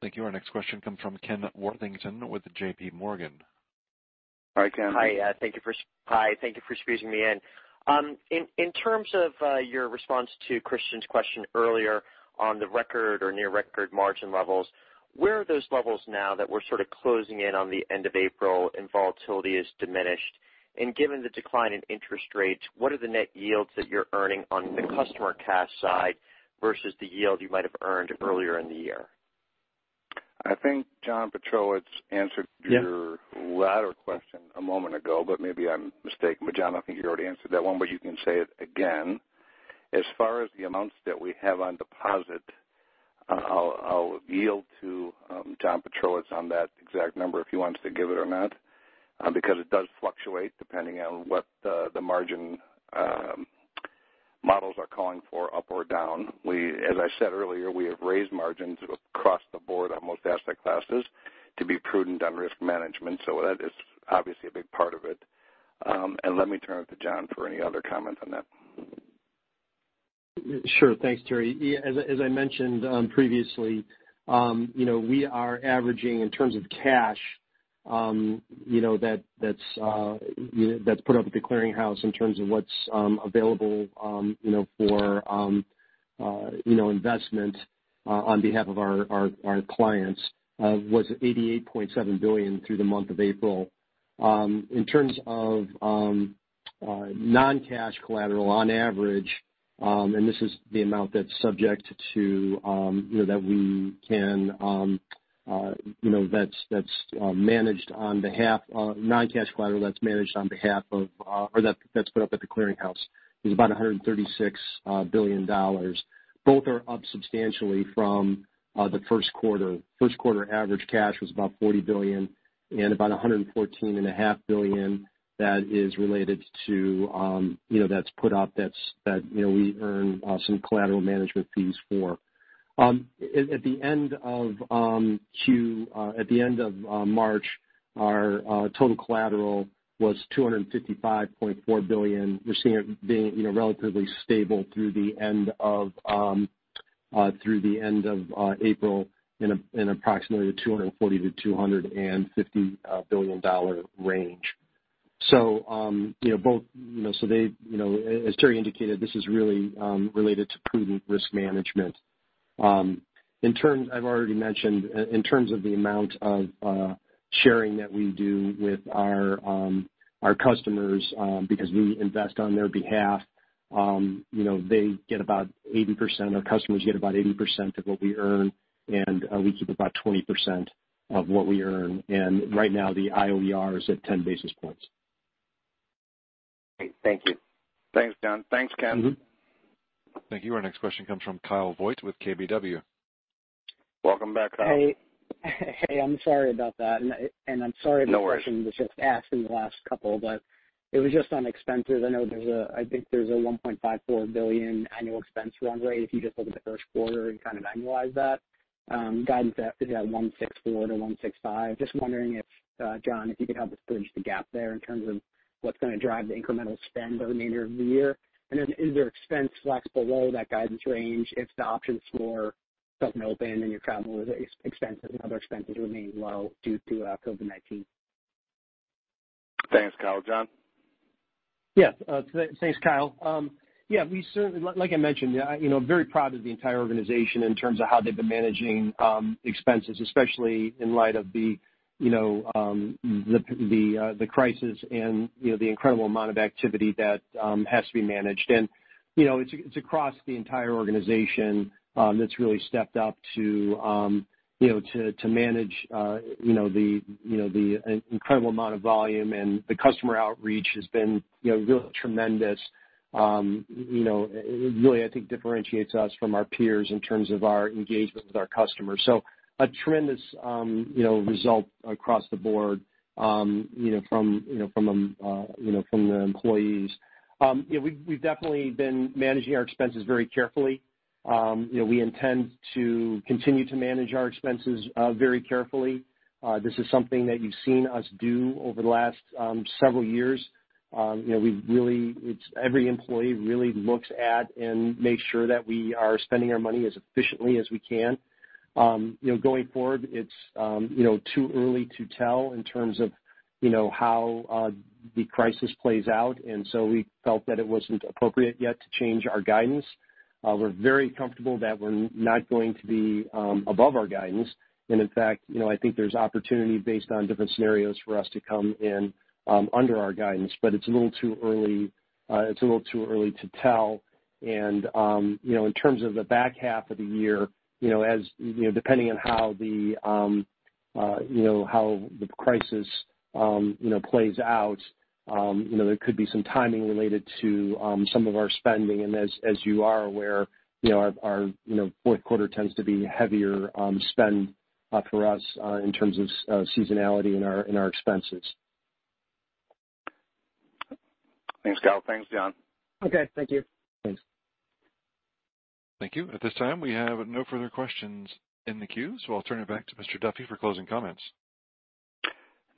A: Thank you. Our next question comes from Kenneth Worthington with JPMorgan.
C: Hi, Ken.
W: Hi. Thank you for squeezing me in. In terms of your response to Christian's question earlier on the record or near record margin levels, where are those levels now that we're sort of closing in on the end of April and volatility is diminished? Given the decline in interest rates, what are the net yields that you're earning on the customer cash side versus the yield you might have earned earlier in the year?
C: I think John Pietrowicz has answered your latter question a moment ago, maybe I'm mistaken. John, I think you already answered that one, but you can say it again. As far as the amounts that we have on deposit, I'll yield to John Pietrowicz on that exact number, if he wants to give it or not, because it does fluctuate depending on what the margin models are calling for up or down. As I said earlier, we have raised margins across the board on most asset classes to be prudent on risk management. That is obviously a big part of it. Let me turn it to John for any other comment on that.
E: Sure. Thanks, Terry. As I mentioned previously, we are averaging in terms of cash that's put up at the clearinghouse in terms of what's available for investment on behalf of our clients was $88.7 billion through the month of April. In terms of non-cash collateral on average, non-cash collateral that's managed on behalf of or that's put up at the clearinghouse is about $136 billion. Both are up substantially from the first quarter. First quarter average cash was about $40 billion and about $114.5 billion that is related to that's put up, that we earn some collateral management fees for. At the end of March, our total collateral was $255.4 billion. We're seeing it being relatively stable through the end of April in approximately $240 billion-$250 billion dollar range. As Terry indicated, this is really related to prudent risk management. I've already mentioned in terms of the amount of sharing that we do with our customers because we invest on their behalf. Our customers get about 80% of what we earn, and we keep about 20% of what we earn. Right now the IOER is at 10 basis points.
W: Great. Thank you.
C: Thanks, John. Thanks, Ken.
A: Thank you. Our next question comes from Kyle Voigt with KBW.
C: Welcome back, Kyle.
U: Hey. I'm sorry about that.
C: No worries.
U: I'm sorry if this question was just asked in the last couple, but it was just on expenses. I know I think there's a $1.54 billion annual expense run rate if you just look at the first quarter and kind of annualize that. Guidance is at $1.64 billion-$1.65 billion. Just wondering if John, if you could help us bridge the gap there in terms of what's going to drive the incremental spend the remainder of the year. Is there expense flex below that guidance range if the options floor doesn't open and your travel expenses and other expenses remain low due to COVID-19?
C: Thanks, Kyle. John?
E: Yeah. Thanks, Kyle. Like I mentioned, I'm very proud of the entire organization in terms of how they've been managing expenses, especially in light of the crisis and the incredible amount of activity that has to be managed. It's across the entire organization that's really stepped up to manage the incredible amount of volume, and the customer outreach has been really tremendous. It really, I think, differentiates us from our peers in terms of our engagement with our customers. A tremendous result across the board from the employees. We've definitely been managing our expenses very carefully. We intend to continue to manage our expenses very carefully. This is something that you've seen us do over the last several years. Every employee really looks at and makes sure that we are spending our money as efficiently as we can. Going forward, it's too early to tell in terms of how the crisis plays out, we felt that it wasn't appropriate yet to change our guidance. We're very comfortable that we're not going to be above our guidance. In fact, I think there's opportunity based on different scenarios for us to come in under our guidance, but it's a little too early to tell. In terms of the back half of the year, depending on how the crisis plays out there could be some timing related to some of our spending. As you are aware our fourth quarter tends to be heavier spend for us in terms of seasonality in our expenses.
C: Thanks, Kyle. Thanks, John.
U: Okay. Thank you.
E: Thanks.
A: Thank you. At this time, we have no further questions in the queue. I'll turn it back to Mr. Duffy for closing comments.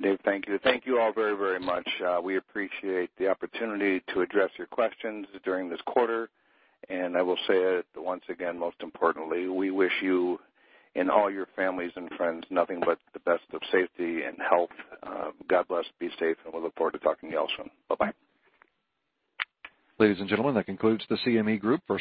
C: Dave, thank you. Thank you all very, very much. We appreciate the opportunity to address your questions during this quarter, and I will say it once again, most importantly, we wish you and all your families and friends nothing but the best of safety and health. God bless, be safe, and we'll look forward to talking to you all soon. Bye-bye.
A: Ladies and gentlemen, that concludes the CME Group first.